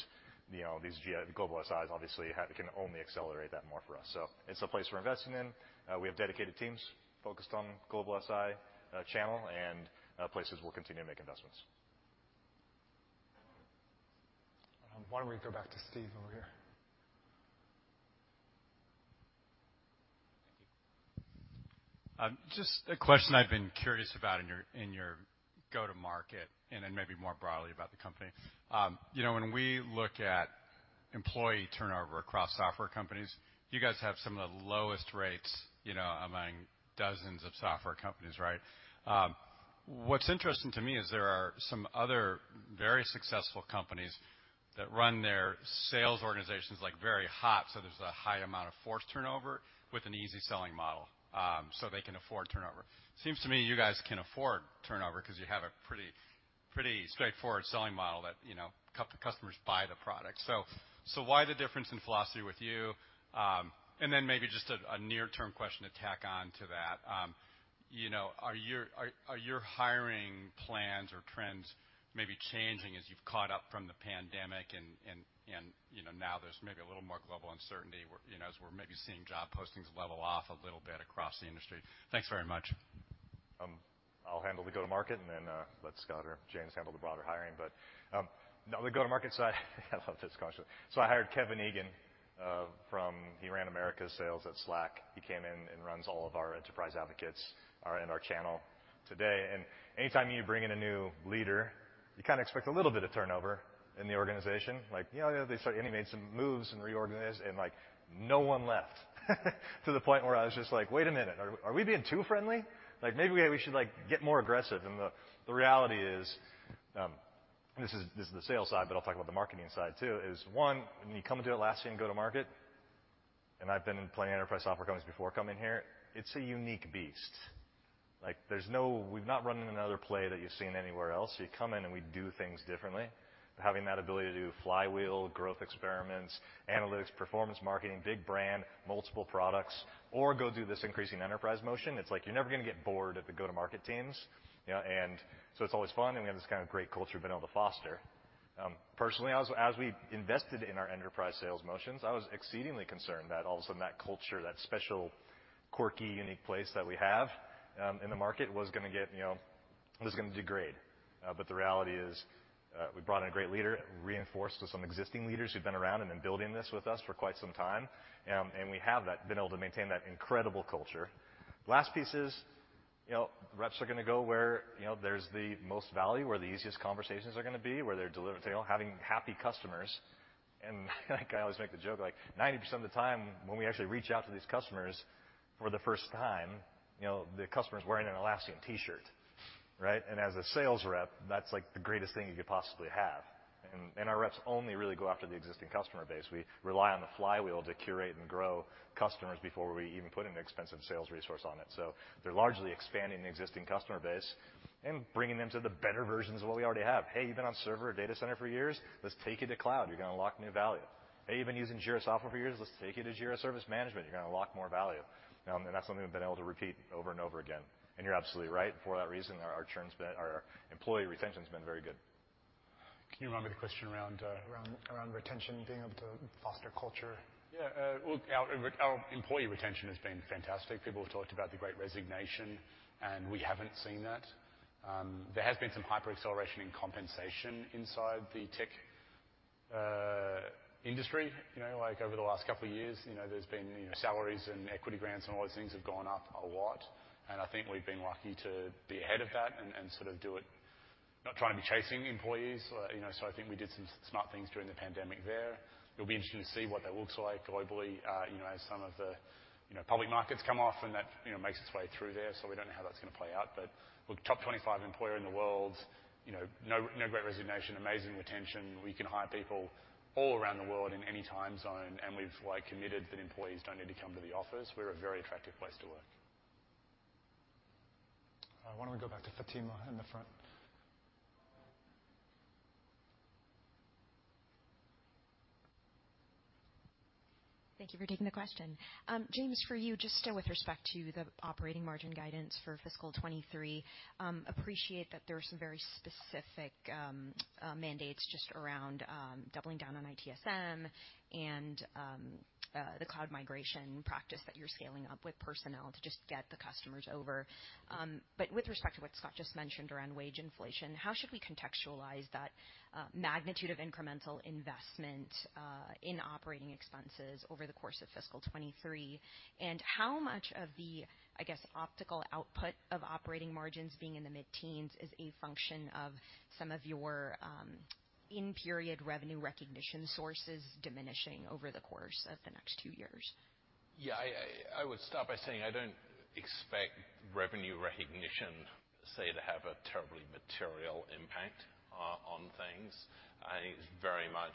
You know, these global SIs obviously can only accelerate that more for us. It's a place we're investing in. We have dedicated teams focused on global SI channel and places we'll continue to make investments. Why don't we go back to Steve over here? Thank you. Just a question I've been curious about in your go-to-market and then maybe more broadly about the company. You know, when we look at employee turnover across software companies, you guys have some of the lowest rates, you know, among dozens of software companies, right? What's interesting to me is there are some other very successful companies that run their sales organizations like very hot, so there's a high amount of forced turnover with an easy selling model, so they can afford turnover. Seems to me you guys can afford turnover 'cause you have a pretty straightforward selling model that, you know, customers buy the product. So why the difference in philosophy with you? And then maybe just a near-term question to tack on to that. You know, are your hiring plans or trends maybe changing as you've caught up from the pandemic and you know, now there's maybe a little more global uncertainty where, you know, as we're maybe seeing job postings level off a little bit across the industry? Thanks very much. I'll handle the go-to-market and then let Scott or James handle the broader hiring. On the go-to-market side, I love this question. I hired Kevin Egan from Slack. He ran American sales at Slack. He came in and runs all of our enterprise advocates and our channel today, and anytime you bring in a new leader, you kinda expect a little bit of turnover in the organization. Like, you know, he made some moves and reorganized and, like, no one left. To the point where I was just like, "Wait a minute, are we being too friendly? Like, maybe we should, like, get more aggressive." The reality is, this is the sales side, but I'll talk about the marketing side too, is one, when you come to Atlassian go-to-market, and I've been in plenty enterprise software companies before coming here, it's a unique beast. Like there's no, we've not run another play that you've seen anywhere else. You come in and we do things differently. Having that ability to do flywheel growth experiments, analytics, performance marketing, big brand, multiple products or go do this increasing enterprise motion. It's like you're never gonna get bored at the go-to-market teams. You know, and so it's always fun, and we have this kind of great culture we've been able to foster. Personally, as we invested in our enterprise sales motions, I was exceedingly concerned that all of a sudden, that culture, that special, quirky, unique place that we have in the market was gonna get, you know, was gonna degrade. The reality is, we brought in a great leader, reinforced with some existing leaders who've been around and been building this with us for quite some time. We have been able to maintain that incredible culture. Last piece is, you know, reps are gonna go where, you know, there's the most value, where the easiest conversations are gonna be, where they're delivering, they're having happy customers. Like I always make the joke, like 90% of the time when we actually reach out to these customers for the first time, you know, the customer's wearing an Atlassian T-shirt, right? As a sales rep, that's like the greatest thing you could possibly have. Our reps only really go after the existing customer base. We rely on the flywheel to curate and grow customers before we even put an expensive sales resource on it. They're largely expanding the existing customer base and bringing them to the better versions of what we already have. "Hey, you've been on Server or Data Center for years. Let's take you to Cloud. You're gonna unlock new value. Hey, you've been using Jira Software for years. Let's take you to Jira Service Management. You're gonna unlock more value." That's something we've been able to repeat over and over again. You're absolutely right. For that reason, our churn's been, our employee retention's been very good. Can you run me through the question around retention, being able to foster culture? Yeah. Well, our employee retention has been fantastic. People have talked about the great resignation, and we haven't seen that. There has been some hyperacceleration in compensation inside the tech industry. You know, like over the last couple of years, you know, there's been, you know, salaries and equity grants and all these things have gone up a lot. I think we've been lucky to be ahead of that and sort of do it, not trying to be chasing employees, you know. I think we did some smart things during the pandemic there. It'll be interesting to see what that looks like globally, you know, as some of the, you know, public markets come off and that, you know, makes its way through there. We don't know how that's gonna play out. Look, top 25 employer in the world, you know, no great resignation, amazing retention. We can hire people all around the world in any time zone, and we've, like, committed that employees don't need to come to the office. We're a very attractive place to work. Why don't we go back to Fatima in the front? Thank you for taking the question. James, for you, just with respect to the operating margin guidance for fiscal 2023, I appreciate that there are some very specific mandates just around doubling down on ITSM and the cloud migration practice that you're scaling up with personnel to just get the customers over. But with respect to what Scott just mentioned around wage inflation, how should we contextualize that magnitude of incremental investment in operating expenses over the course of fiscal 2023? How much of the, I guess, optical output of operating margins being in the mid-teens is a function of some of your in-period revenue recognition sorces diminishing over the course of the next two years? Yeah. I would start by saying I don't expect revenue recognition, say, to have a terribly material impact on things. I think it's very- Much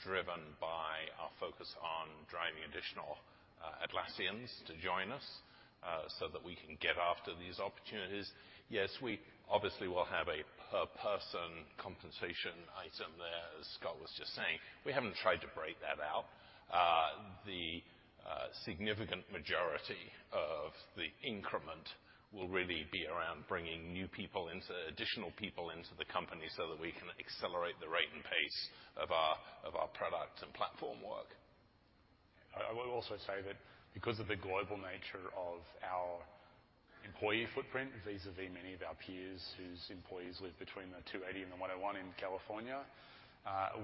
driven by our focus on driving additional Atlassians to join us so that we can get after these opportunities. Yes, we obviously will have a per person compensation item there, as Scott was just saying. We haven't tried to break that out. The significant majority of the increment will really be around bringing additional people into the company so that we can accelerate the rate and pace of our product and platform work. I would also say that because of the global nature of our employee footprint, vis-à-vis many of our peers whose employees live between the 280 and the 101 in California,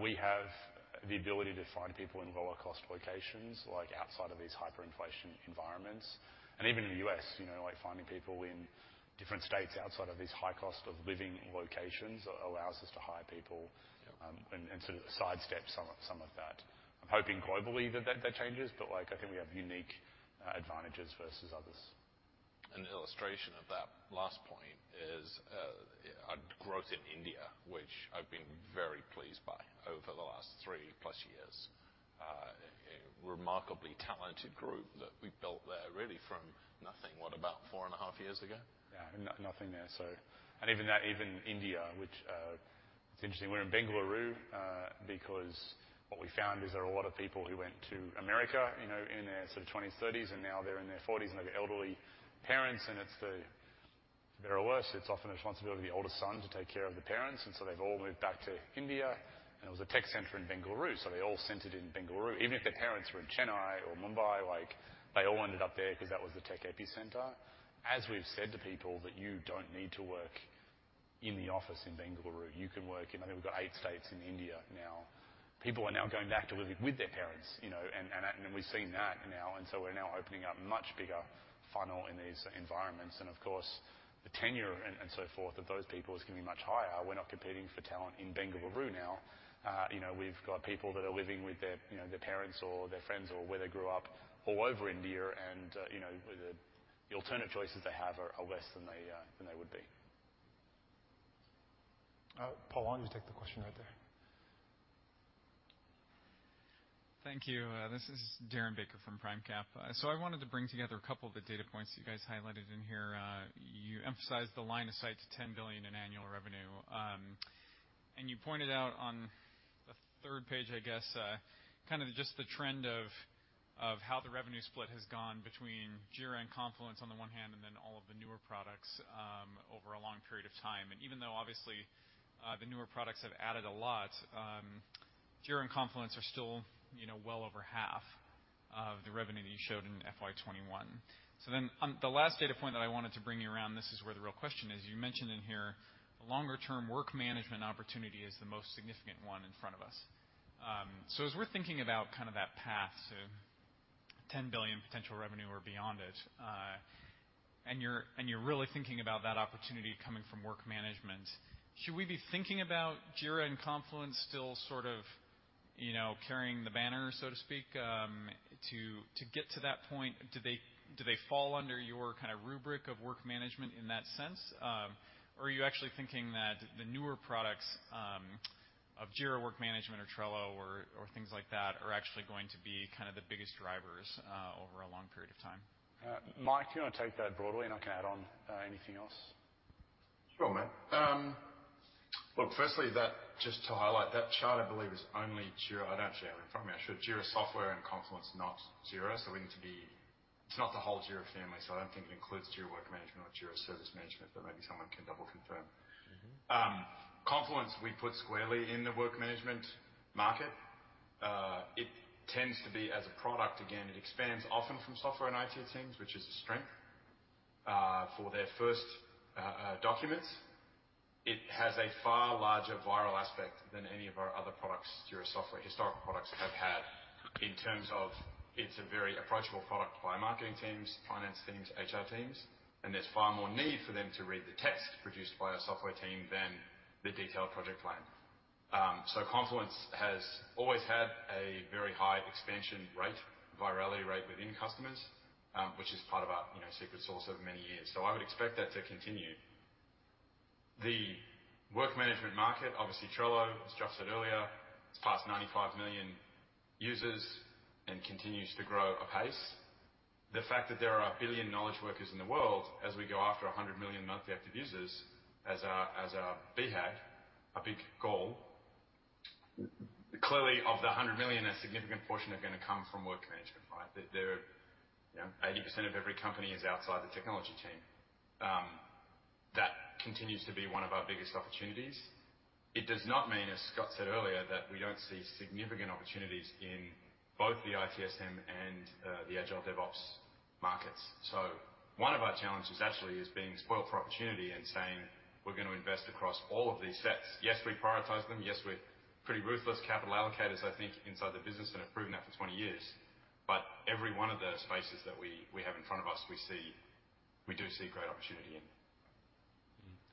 we have the ability to find people in lower cost locations, like outside of these hyperinflation environments. Even in the U.S., you know, like finding people in different states outside of these high cost of living locations allows us to hire people. Yep. To sidestep some of that. I'm hoping globally that changes, but like I think we have unique advantages versus others. An illustration of that last point is growth in India, which I've been very pleased by over the last three plus years. A remarkably talented group that we've built there really from nothing, what about 4.5 years ago? Yeah. Nothing there, so. Even India, which it's interesting, we're in Bengaluru, because what we found is there are a lot of people who went to America, you know, in their sort of twenties, thirties, and now they're in their forties, and they have elderly parents, and it's for better or worse, it's often the responsibility of the oldest son to take care of the parents. They've all moved back to India, and there was a tech center in Bengaluru, so they all centered in Bengaluru. Even if their parents were in Chennai or Mumbai, like, they all ended up there 'cause that was the tech epicenter. As we've said to people that you don't need to work in the office in Bengaluru, you can work in I think we've got eight states in India now. People are now going back to living with their parents, you know, and we've seen that now, and so we're now opening up much bigger funnel in these environments. Of course, the tenure and so forth of those people is gonna be much higher. We're not competing for talent in Bengaluru now. You know, we've got people that are living with their parents or their friends or where they grew up all over India, and you know, the alternate choices they have are less than they would be. Paul, why don't you take the question right there? Thank you. This is Darren Baker from PRIMECAP. I wanted to bring together a couple of the data points you guys highlighted in here. You emphasized the line of sight to $10 billion in annual revenue. You pointed out on the third page, I guess, kind of just the trend of how the revenue split has gone between Jira and Confluence on the one hand, and then all of the newer products, over a long period of time. Even though obviously, the newer products have added a lot, Jira and Confluence are still, you know, well over half of the revenue that you showed in FY 2021. On the last data point that I wanted to bring you around, this is where the real question is. You mentioned in here the longer term work management opportunity is the most significant one in front of us. So as we're thinking about kind of that path to $10 billion potential revenue or beyond it, and you're really thinking about that opportunity coming from work management, should we be thinking about Jira and Confluence still sort of, you know, carrying the banner so to speak, to get to that point? Do they fall under your kind of rubric of work management in that sense? Or are you actually thinking that the newer products of Jira Work Management or Trello or things like that are actually going to be kind of the biggest drivers over a long period of time? Mike, do you wanna take that broadly and I can add on anything else? Sure, mate. Look, firstly, just to highlight, that chart I believe is only Jira. I don't actually have it in front of me. I'm sure Jira Software and Confluence, not Jira. It's not the whole Jira family, so I don't think it includes Jira Work Management or Jira Service Management, but maybe someone can double confirm. Mm-hmm. Confluence we put squarely in the work management market. It tends to be as a product, again, it expands often from software and IT teams, which is a strength for their first documents. It has a far larger viral aspect than any of our other products, Jira Software historical products have had in terms of it's a very approachable product by marketing teams, finance teams, HR teams, and there's far more need for them to read the text produced by our software team than the detailed project plan. Confluence has always had a very high expansion rate, virality rate within customers, which is part of our, you know, secret sauce over many years. I would expect that to continue. The work management market, obviously Trello, as Joff Redfern said earlier, it's past 95 million users and continues to grow apace. The fact that there are a billion knowledge workers in the world as we go after 100 million monthly active users as our BHAG, our big goal, clearly of the 100 million, a significant portion are gonna come from work management, right? There you know, 80% of every company is outside the technology team. That continues to be one of our biggest opportunities. It does not mean, as Scott said earlier, that we don't see significant opportunities in both the ITSM and the Agile DevOps markets. One of our challenges actually is being spoiled for opportunity and saying, "We're gonna invest across all of these sets." Yes, we prioritize them. Yes, we're pretty ruthless capital allocators, I think, inside the business and have proven that for 20 years, but every one of the spaces that we have in front of us, we do see great opportunity in.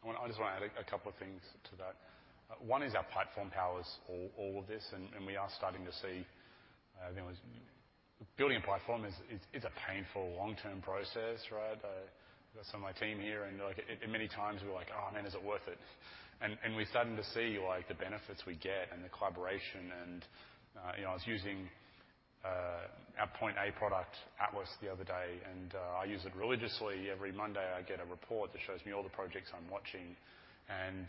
I just wanna add a couple of things to that. One is our platform powers all of this, and we are starting to see- I think it was building a platform is a painful long-term process, right? I got some of my team here, and like, many times we're like, "Oh, man, is it worth it?" We're starting to see, like, the benefits we get and the collaboration and, you know, I was using our Point A product, Atlas, the other day, and I use it religiously. Every Monday, I get a report that shows me all the projects I'm watching.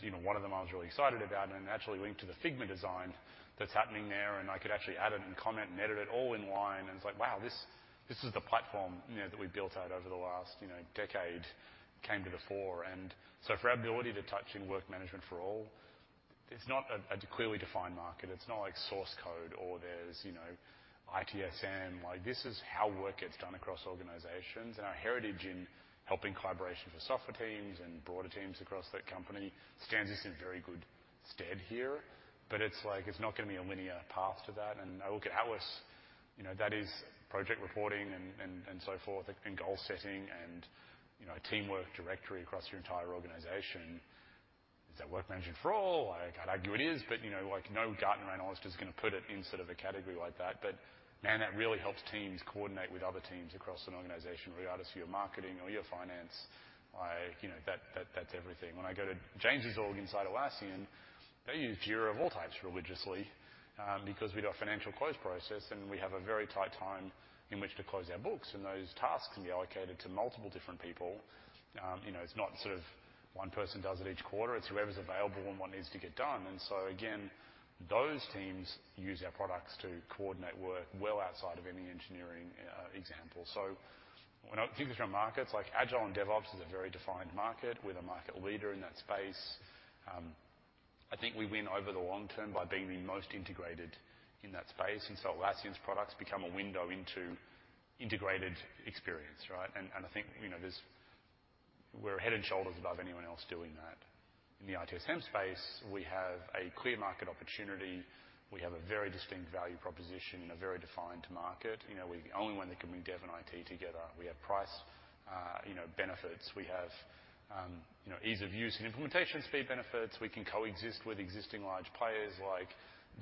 You know, one of them I was really excited about, and it actually linked to the Figma design that's happening there, and I could actually add it and comment and edit it all in line. It's like, wow, this is the platform, you know, that we built out over the last, you know, decade came to the fore. For our ability to touch in work management for all, it's not a clearly defined market. It's not like source code or there's, you know, ITSM. Like, this is how work gets done across organizations. Our heritage in helping collaboration for software teams and broader teams across the company stands us in very good stead here. But it's like, it's not gonna be a linear path to that. I look at Atlas, you know, that is project reporting and so forth and goal setting and, you know, teamwork directory across your entire organization. Is that work management for all? Like, I'd argue it is, but, you know, like, no Gartner analyst is gonna put it in sort of a category like that. But man, that really helps teams coordinate with other teams across an organization, regardless of your marketing or your finance. Like, you know, that's everything. When I go to James' org inside Atlassian, they use Jira of all types religiously, because we do our financial close process, and we have a very tight time in which to close our books, and those tasks can be allocated to multiple different people. You know, it's not sort of one person does it each quarter. It's whoever's available and what needs to get done. Again, those teams use our products to coordinate work well outside of any engineering example. When I think about markets, like agile and DevOps is a very defined market. We're the market leader in that space. I think we win over the long term by being the most integrated in that space. Atlassian's products become a window into integrated experience, right? I think, you know, we're head and shoulders above anyone else doing that. In the ITSM space, we have a clear market opportunity. We have a very distinct value proposition in a very defined market. You know, we're the only one that can bring dev and IT together. We have price, you know, benefits. We have, you know, ease of use and implementation speed benefits. We can coexist with existing large players like,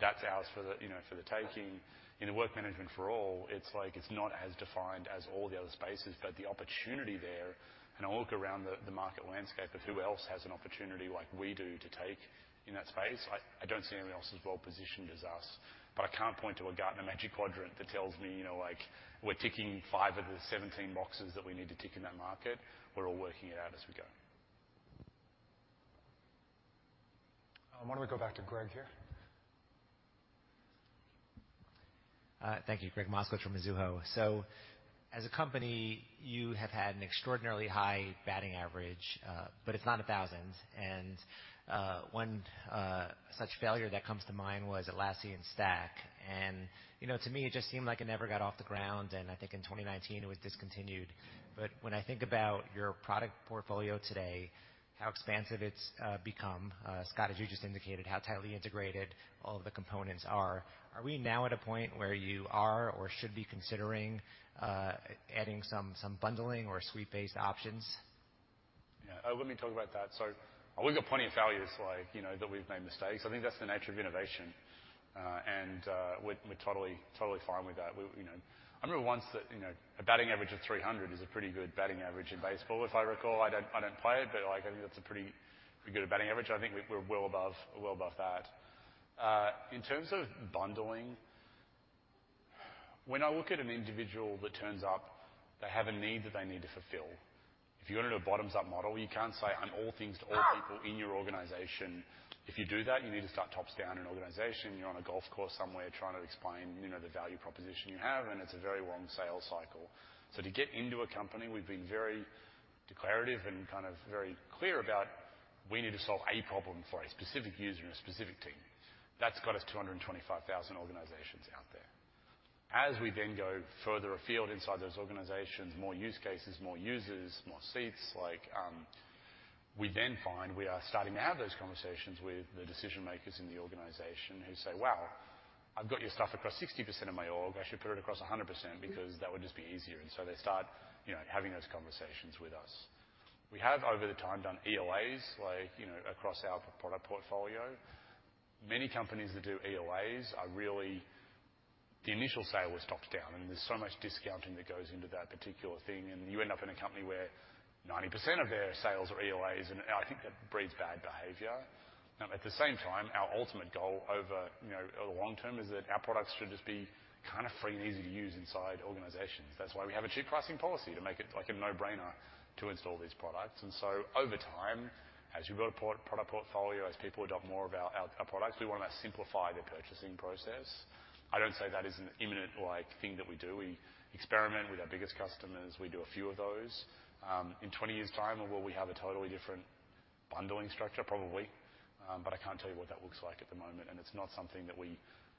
that's ours for the taking. In the work management for all, it's like, it's not as defined as all the other spaces. The opportunity there. I look around the market landscape of who else has an opportunity like we do to take in that space, I don't see anyone else as well positioned as us. I can't point to a Gartner Magic Quadrant that tells me, you know, like we're ticking five of the 17 boxes that we need to tick in that market. We're all working it out as we go. Why don't we go back to Gregg here? Thank you. Gregg Moskowitz from Mizuho. As a company, you have had an extraordinarily high batting average, but it's not a thousand. One such failure that comes to mind was Atlassian Stack. You know, to me, it just seemed like it never got off the ground, and I think in 2019 it was discontinued. When I think about your product portfolio today, how expansive it's become, Scott, as you just indicated, how tightly integrated all of the components are we now at a point where you are or should be considering adding some bundling or suite-based options? Yeah. Let me talk about that. We've got plenty of failures, like, you know, that we've made mistakes. I think that's the nature of innovation. We're totally fine with that. I remember once that, you know, a batting average of 300 is a pretty good batting average in baseball, if I recall. I don't play it, but like, I think that's a pretty good batting average. I think we're well above that. In terms of bundling, when I look at an individual that turns up, they have a need that they need to fulfill. If you're in a bottoms-up model, you can't say, "I'm all things to all people in your organization." If you do that, you need to start tops-down an organization. You're on a golf course somewhere trying to explain, you know, the value proposition you have, and it's a very long sales cycle. To get into a company, we've been very declarative and kind of very clear about we need to solve a problem for a specific user and a specific team. That's got us 225,000 organizations out there. As we then go further afield inside those organizations, more use cases, more users, more seats, like, we then find we are starting to have those conversations with the decision makers in the organization who say, "Wow, I've got your stuff across 60% of my org. I should put it across 100% because that would just be easier." They start, you know, having those conversations with us. We have over time done ELAs, like, you know, across our product portfolio. Many companies that do ELAs are really the initial sale was top down, and there's so much discounting that goes into that particular thing, and you end up in a company where 90% of their sales are ELAs, and I think that breeds bad behavior. Now, at the same time, our ultimate goal over, you know, the long term is that our products should just be kind of free and easy to use inside organizations. That's why we have a cheap pricing policy to make it like a no-brainer to install these products. Over time, as we build a product portfolio, as people adopt more of our products, we want to simplify the purchasing process. I don't say that is an imminent like thing that we do. We experiment with our biggest customers. We do a few of those. In 20 years' time, will we have a totally different bundling structure? Probably. I can't tell you what that looks like at the moment, and it's not something that we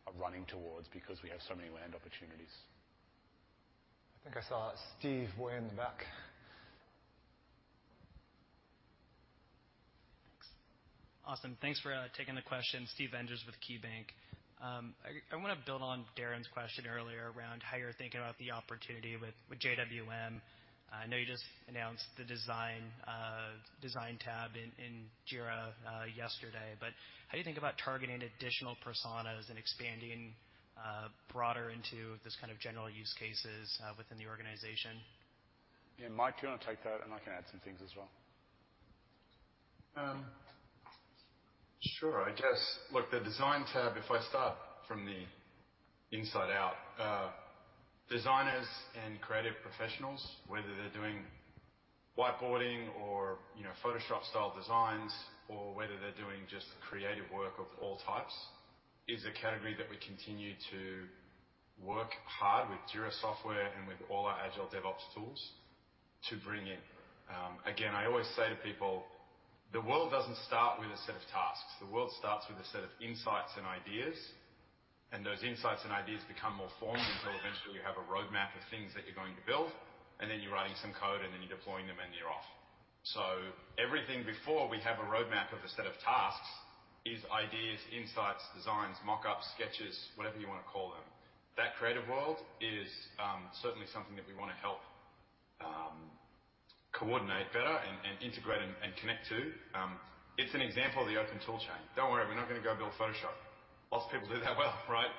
are running towards because we have so many land opportunities. I think I saw Steve Enders in the back. Thanks. Awesome. Thanks for taking the question. Steve Enders with KeyBanc. I wanna build on Darren's question earlier around how you're thinking about the opportunity with JWM. I know you just announced the design tab in Jira yesterday. How do you think about targeting additional personas and expanding broader into this kind of general use cases within the organization? Yeah, Mike, do you want to take that? I can add some things as well. Sure. I guess, look, the Design tab, if I start from the inside out, designers and creative professionals, whether they're doing whiteboarding or, you know, Photoshop style designs or whether they're doing just creative work of all types, is a category that we continue to work hard with Jira Software and with all our agile DevOps tools to bring in. Again, I always say to people, the world doesn't start with a set of tasks. The world starts with a set of insights and ideas, and those insights and ideas become more formed until eventually you have a roadmap of things that you're going to build, and then you're writing some code, and then you're deploying them, and you're off. Everything before we have a roadmap of a set of tasks is ideas, insights, designs, mock-ups, sketches, whatever you want to call them. That creative world is certainly something that we wanna help coordinate better and integrate and connect to. It's an example of the open tool chain. Don't worry, we're not gonna go build Photoshop. Lots of people do that well, right?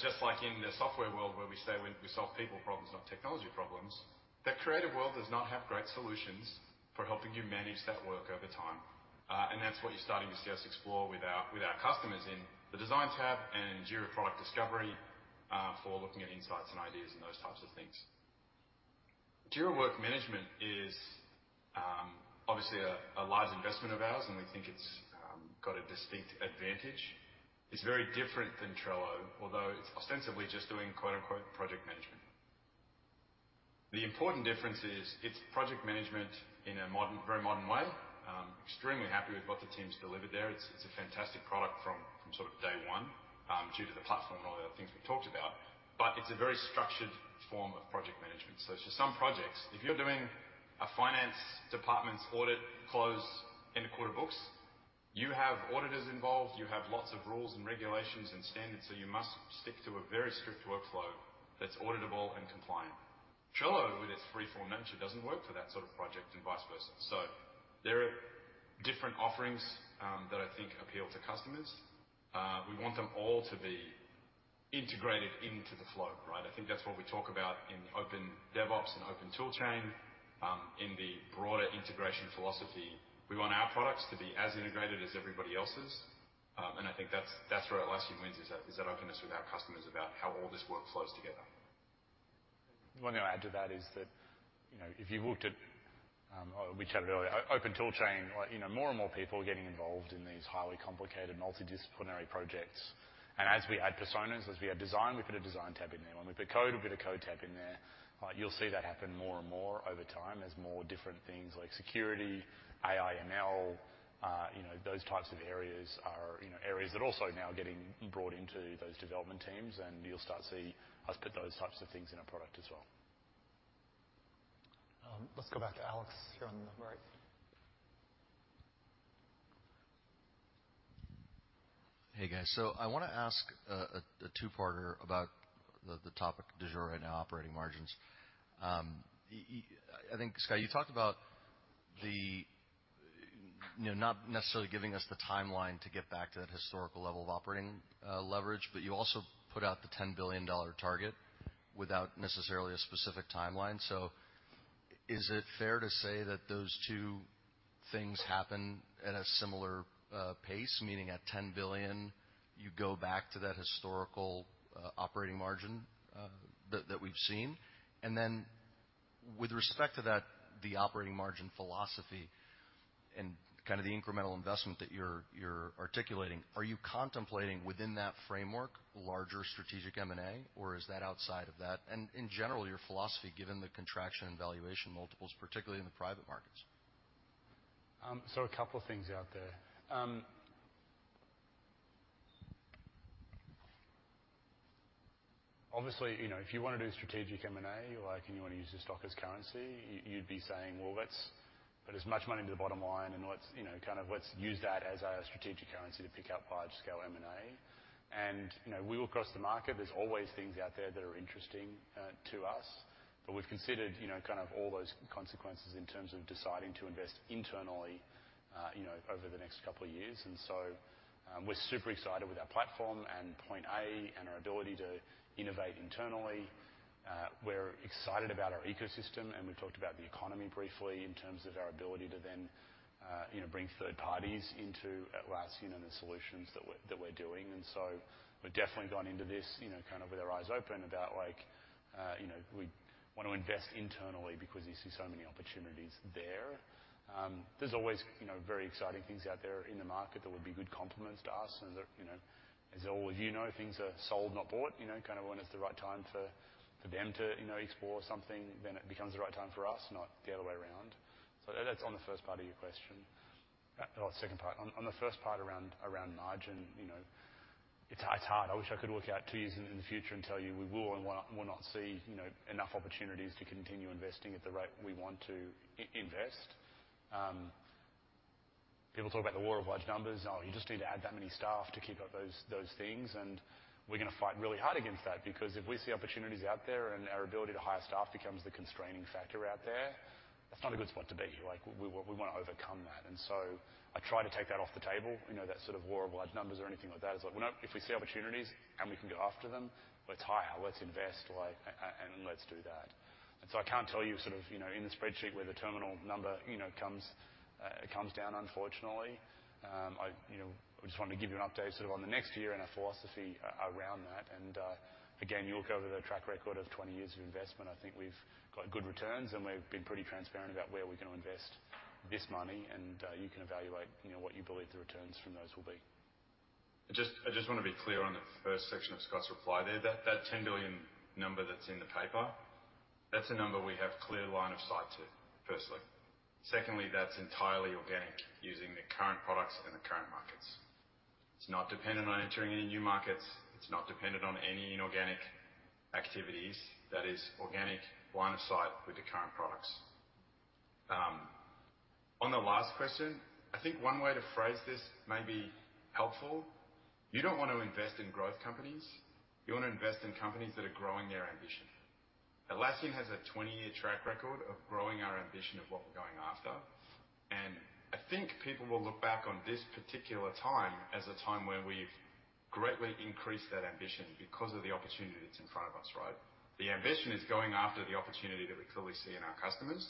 Just like in the software world where we say we solve people problems, not technology problems, the creative world does not have great solutions for helping you manage that work over time. That's what you're starting to see us explore with our customers in the Design tab and in Jira Product Discovery for looking at insights and ideas and those types of things. Jira Work Management is obviously a large investment of ours, and we think it's got a distinct advantage. It's very different than Trello, although it's ostensibly just doing quote-unquote project management. The important difference is it's project management in a modern, very modern way. Extremely happy with what the team's delivered there. It's a fantastic product from sort of day one, due to the platform and all the other things we've talked about, but it's a very structured form of project management. For some projects, if you're doing a finance department's audit close end of quarter books, you have auditors involved, you have lots of rules and regulations and standards, so you must stick to a very strict workflow that's auditable and compliant. Trello, with its free form nature, doesn't work for that sort of project and vice versa. There are different offerings that I think appeal to customers. We want them all to be integrated into the flow, right? I think that's what we talk about in Open DevOps and open toolchain. In the broader integration philosophy, we want our products to be as integrated as everybody else's. I think that's where Atlassian wins, is that openness with our customers about how all this work flows together. One thing I'll add to that is that, you know, if you looked at, we chatted earlier, open toolchain, like, you know, more and more people are getting involved in these highly complicated multidisciplinary projects. As we add personas, as we add design, we put a design tab in there, and with the code, we put a code tab in there. You'll see that happen more and more over time as more different things like security, AI, ML, you know, those types of areas are, you know, areas that are also now getting brought into those development teams. You'll start to see us put those types of things in our product as well. Let's go back to Alex here on the right. Hey, guys. I wanna ask a two-parter about the topic du jour right now, operating margins. I think, Scott, you talked about the, you know, not necessarily giving us the timeline to get back to that historical level of operating leverage, but you also put out the $10 billion target without necessarily a specific timeline. Is it fair to say that those two things happen at a similar pace, meaning at $10 billion, you go back to that historical operating margin that we've seen? With respect to that, the operating margin philosophy and kinda the incremental investment that you're articulating, are you contemplating within that framework larger strategic M&A, or is that outside of that? In general, your philosophy, given the contraction in valuation multiples, particularly in the private markets. A couple of things out there. Obviously, you know, if you wanna do strategic M&A, like, and you wanna use the stock as currency, you'd be saying, "Well, let's put as much money into the bottom line and let's, you know, kind of let's use that as our strategic currency to pick up large scale M&A." You know, we look across the market, there's always things out there that are interesting to us. We've considered, you know, kind of all those consequences in terms of deciding to invest internally, you know, over the next couple of years. We're super excited with our platform and Point A and our ability to innovate internally. We're excited about our ecosystem, and we've talked about the economy briefly in terms of our ability to then, you know, bring third parties into Atlassian and the solutions that we're doing. We've definitely gone into this, you know, kind of with our eyes open about like, you know, we want to invest internally because you see so many opportunities there. There's always, you know, very exciting things out there in the market that would be good complements to us. That, you know, as all of you know, things are sold, not bought. You know, kind of when it's the right time for them to, you know, explore something, then it becomes the right time for us, not the other way around. That's on the first part of your question. No, second part. On the first part around margin, you know, it's hard. I wish I could look out two years in the future and tell you we will or will not see, you know, enough opportunities to continue investing at the rate we want to invest. People talk about the law of large numbers. Oh, you just need to add that many staff to keep up those things. We're gonna fight really hard against that because if we see opportunities out there and our ability to hire staff becomes the constraining factor out there. That's not a good spot to be. Like, we wanna overcome that. I try to take that off the table, you know, that sort of law of large numbers or anything like that. It's like we're not. If we see opportunities and we can go after them, let's hire, let's invest, like, and let's do that. I can't tell you sort of, you know, in the spreadsheet where the terminal number, you know, comes down, unfortunately. I just wanted to give you an update sort of on the next year and our philosophy around that. Again, you look over the track record of 20 years of investment, I think we've got good returns, and we've been pretty transparent about where we're gonna invest this money. You can evaluate, you know, what you believe the returns from those will be. I just want to be clear on the first section of Scott's reply there. That $10 billion number that's in the paper, that's a number we have clear line of sight to, firstly. Secondly, that's entirely organic using the current products in the current markets. It's not dependent on entering any new markets. It's not dependent on any inorganic activities. That is organic line of sight with the current products. On the last question, I think one way to phrase this may be helpful. You don't want to invest in growth companies. You want to invest in companies that are growing their ambition. Atlassian has a 20-year track record of growing our ambition of what we're going after, and I think people will look back on this particular time as a time where we've greatly increased that ambition because of the opportunity that's in front of us, right? The ambition is going after the opportunity that we clearly see in our customers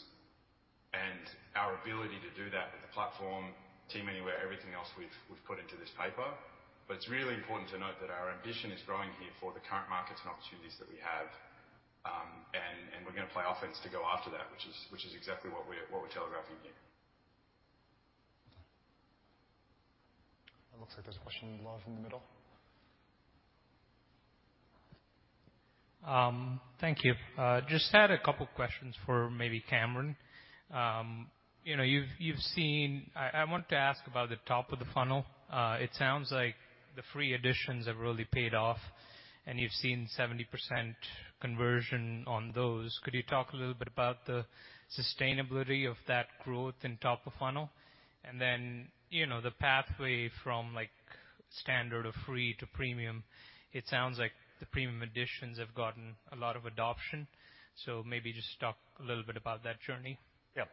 and our ability to do that with the platform, Team Anywhere, everything else we've put into this paper. It's really important to note that our ambition is growing here for the current markets and opportunities that we have, and we're gonna play offense to go after that, which is exactly what we're telegraphing here. It looks like there's a question in Luv in the middle. Thank you. I just had a couple questions for maybe Cannon. You know, you've seen. I want to ask about the top of the funnel. It sounds like the free editions have really paid off, and you've seen 70% conversion on those. Could you talk a little bit about the sustainability of that growth in top of funnel? You know, the pathway from like standard or free to premium, it sounds like the premium editions have gotten a lot of adoption, so maybe just talk a little bit about that journey. Yep,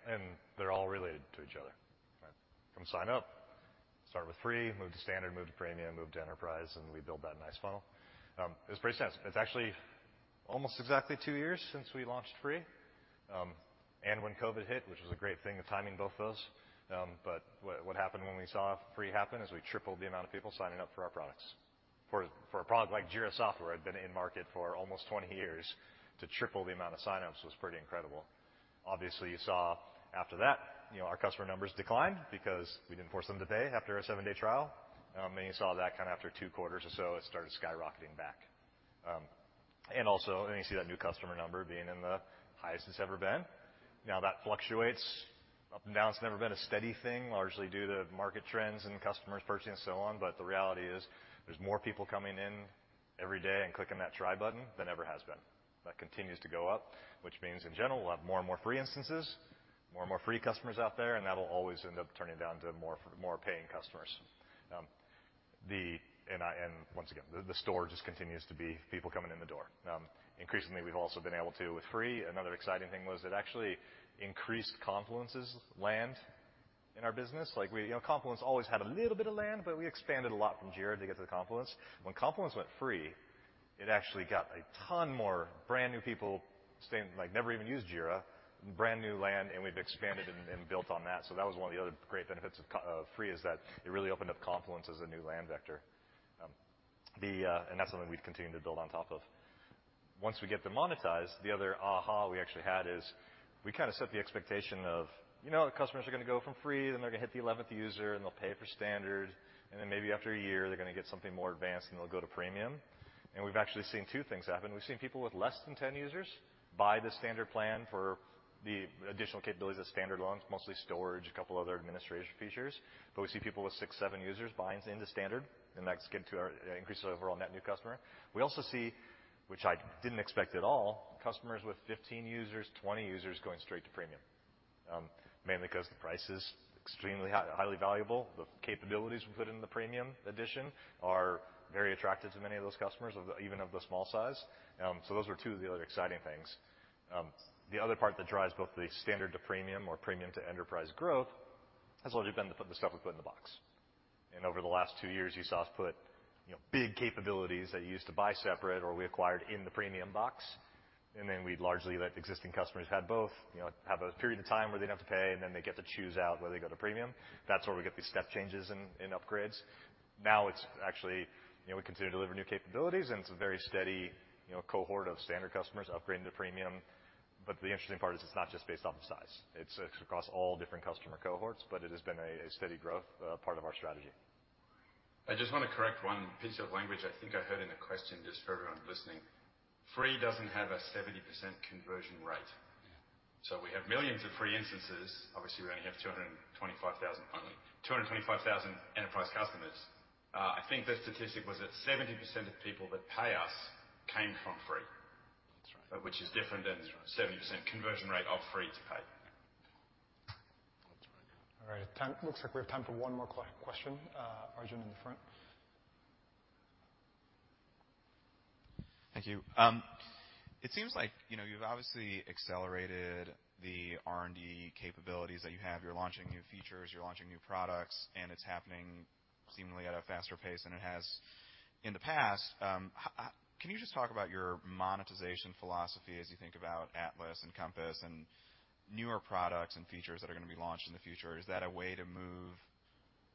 they're all related to each other, right? Come sign up. Start with free, move to standard, move to premium, move to enterprise, and we build that nice funnel. It's pretty simple. It's actually almost exactly two years since we launched free. When COVID hit, which was a great thing, the timing both those. What happened when we saw free happen is we tripled the amount of people signing up for our products. For a product like Jira Software had been in market for almost 20 years, to triple the amount of signups was pretty incredible. Obviously, you saw after that, you know, our customer numbers declined because we didn't force them to pay after a seven-day trial. You saw that kinda after two quarters or so, it started skyrocketing back. You see that new customer number being in the highest it's ever been. Now, that fluctuates up and down. It's never been a steady thing, largely due to market trends and customers purchasing and so on. But the reality is there's more people coming in every day and clicking that try button than ever has been. That continues to go up, which means, in general, we'll have more and more free instances, more and more free customers out there, and that'll always end up turning down to more paying customers. Once again, the store just continues to be people coming in the door. Increasingly, we've also been able to, with free, another exciting thing was it actually increased Confluence's land in our business. Like we, you know, Confluence always had a little bit of land, but we expanded a lot from Jira to get to Confluence. When Confluence went free, it actually got a ton more brand-new people staying, like never even used Jira, brand-new land, and we've expanded and built on that. That was one of the other great benefits of free is that it really opened up Confluence as a new land vector. That's something we've continued to build on top of. Once we get them monetized, the other aha we actually had is we kinda set the expectation of, you know, the customers are gonna go from free, then they're gonna hit the 11th user, and they'll pay for standard. Then maybe after a year, they're gonna get something more advanced, and they'll go to premium. We've actually seen two things happen. We've seen people with less than 10 users buy the Standard plan for the additional capabilities that Standard allows, mostly storage, a couple other administration features. We see people with six, seven users buying into Standard, and that's getting to our, increase our overall net new customer. We also see, which I didn't expect at all, customers with 15 users, 20 users going straight to Premium. Mainly 'cause the price is extremely high, highly valuable. The capabilities we put in the Premium edition are very attractive to many of those customers even of the small size. So those are two of the other exciting things. The other part that drives both the Standard to Premium or Premium to Enterprise growth has largely been the stuff we put in the box. Over the last two years, you saw us put, you know, big capabilities that you used to buy separate or we acquired in the premium box. Then we'd largely let the existing customers have both, you know, have a period of time where they didn't have to pay, and then they get to choose out whether they go to premium. That's where we get these step changes in upgrades. Now it's actually, you know, we continue to deliver new capabilities, and it's a very steady, you know, cohort of standard customers upgrading to premium. The interesting part is it's not just based off of size. It's across all different customer cohorts, but it has been a steady growth part of our strategy. I just wanna correct one piece of language I think I heard in the question, just for everyone listening. Free doesn't have a 70% conversion rate. Yeah. We have millions of free instances. Obviously, we only have 225,000 enterprise customers. I think the statistic was that 70% of people that pay us came from free. That's right. Which is different than. That's right. 70% conversion rate of free to paid. That's right. All right. Time. Looks like we have time for one more question. Arjun in the front. Thank you. It seems like, you know, you've obviously accelerated the R&D capabilities that you have. You're launching new features, you're launching new products, and it's happening seemingly at a faster pace than it has in the past. Can you just talk about your monetization philosophy as you think about Atlas and Compass and newer products and features that are gonna be launched in the future? Is that a way to move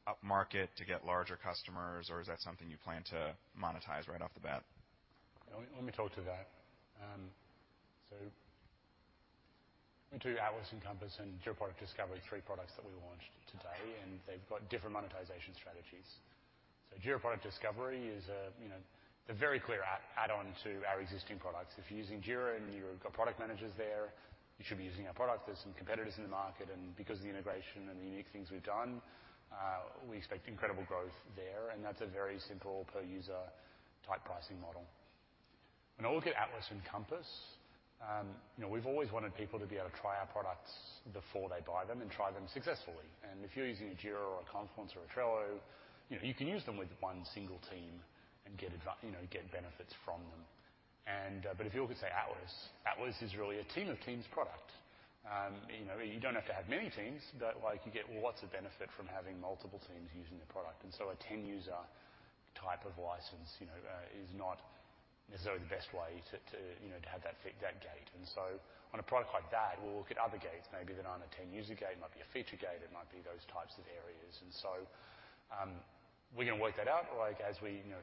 upmarket to get larger customers, or is that something you plan to monetize right off the bat? Let me talk to that. Between Atlas and Compass and Jira Product Discovery, three products that we launched today, and they've got different monetization strategies. Jira Product Discovery is a very clear add-on to our existing products. If you're using Jira and you've got product managers there, you should be using our product. There's some competitors in the market, and because of the integration and the unique things we've done, we expect incredible growth there. That's a very simple per-user type pricing model. When I look at Atlas and Compass, we've always wanted people to be able to try our products before they buy them and try them successfully. If you're using a Jira or a Confluence or a Trello, you know, you can use them with one single team and get benefits from them. If you look at, say, Atlas is really a team of teams product. You know, you don't have to have many teams, but, like, you get lots of benefit from having multiple teams using the product. A 10-user type of license, you know, is not necessarily the best way to, you know, to have that fit that gate. On a product like that, we'll look at other gates maybe that aren't a 10-user gate, might be a feature gate, it might be those types of areas. We're gonna work that out, like, as we, you know,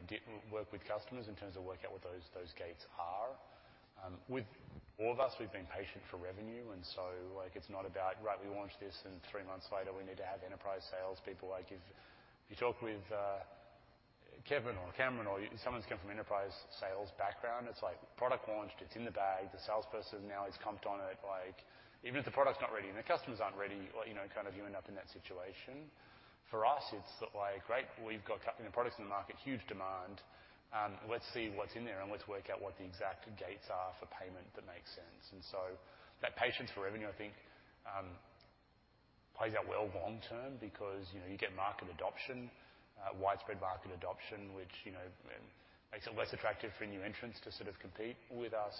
work with customers in terms of working out what those gates are. With all of us, we've been patient for revenue, like, it's not about right, we launched this and three months later we need to have enterprise sales people. Like if you talk with Kevin or Cameron or someone's come from enterprise sales background, it's like product launched, it's in the bag. The salesperson now is comped on it. Like, even if the product's not ready and the customers aren't ready, like, you know, kind of you end up in that situation. For us, it's like, great, we've got you know, products in the market, huge demand. Let's see what's in there and let's work out what the exact gates are for payment that makes sense. That patience for revenue I think plays out well long term because, you know, you get market adoption, widespread market adoption, which, you know, makes it less attractive for new entrants to sort of compete with us.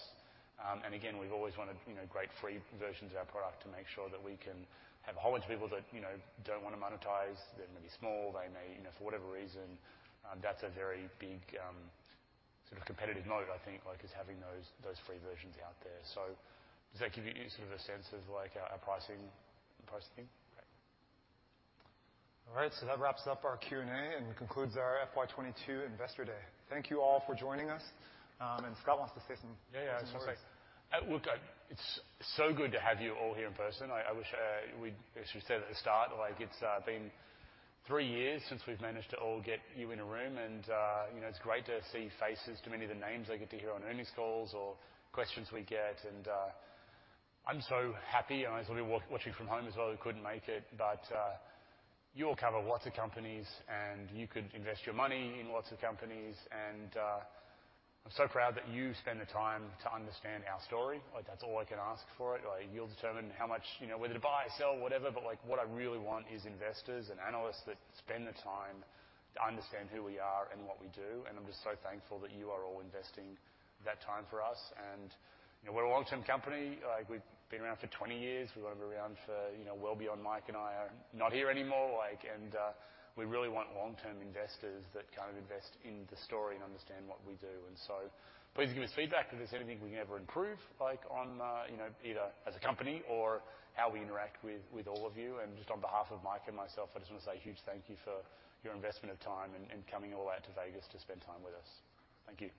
Again, we've always wanted, you know, great free versions of our product to make sure that we can have a whole bunch of people that, you know, don't wanna monetize. They may be small, they may, you know, for whatever reason, that's a very big sort of competitive mode, I think, like is having those free versions out there. Does that give you sort of a sense of like our pricing? Great. All right, that wraps up our Q&A and concludes our FY 2022 Investor Day. Thank you all for joining us. Scott wants to say some- Yeah, yeah. Some words. Look, it's so good to have you all here in person. I wish we'd actually said at the start, like it's been three years since we've managed to all get you in a room and you know, it's great to see faces to many of the names I get to hear on earnings calls or questions we get. I'm so happy, and I saw people watching from home as well who couldn't make it. You all cover lots of companies, and you could invest your money in lots of companies and I'm so proud that you spend the time to understand our story. Like, that's all I can ask for it. Like, you'll determine how much, you know, whether to buy, sell, whatever. Like, what I really want is investors and analysts that spend the time to understand who we are and what we do. I'm just so thankful that you are all investing that time for us and you know, we're a long-term company. Like, we've been around for 20 years. We wanna be around for, you know, well beyond Mike and I are not here anymore. Like, and, we really want long-term investors that kind of invest in the story and understand what we do. Please give us feedback if there's anything we can ever improve, like on, you know, either as a company or how we interact with all of you. Just on behalf of Mike and myself, I just want to say a huge thank you for your investment of time and coming all out to Vegas to spend time with us. Thank you.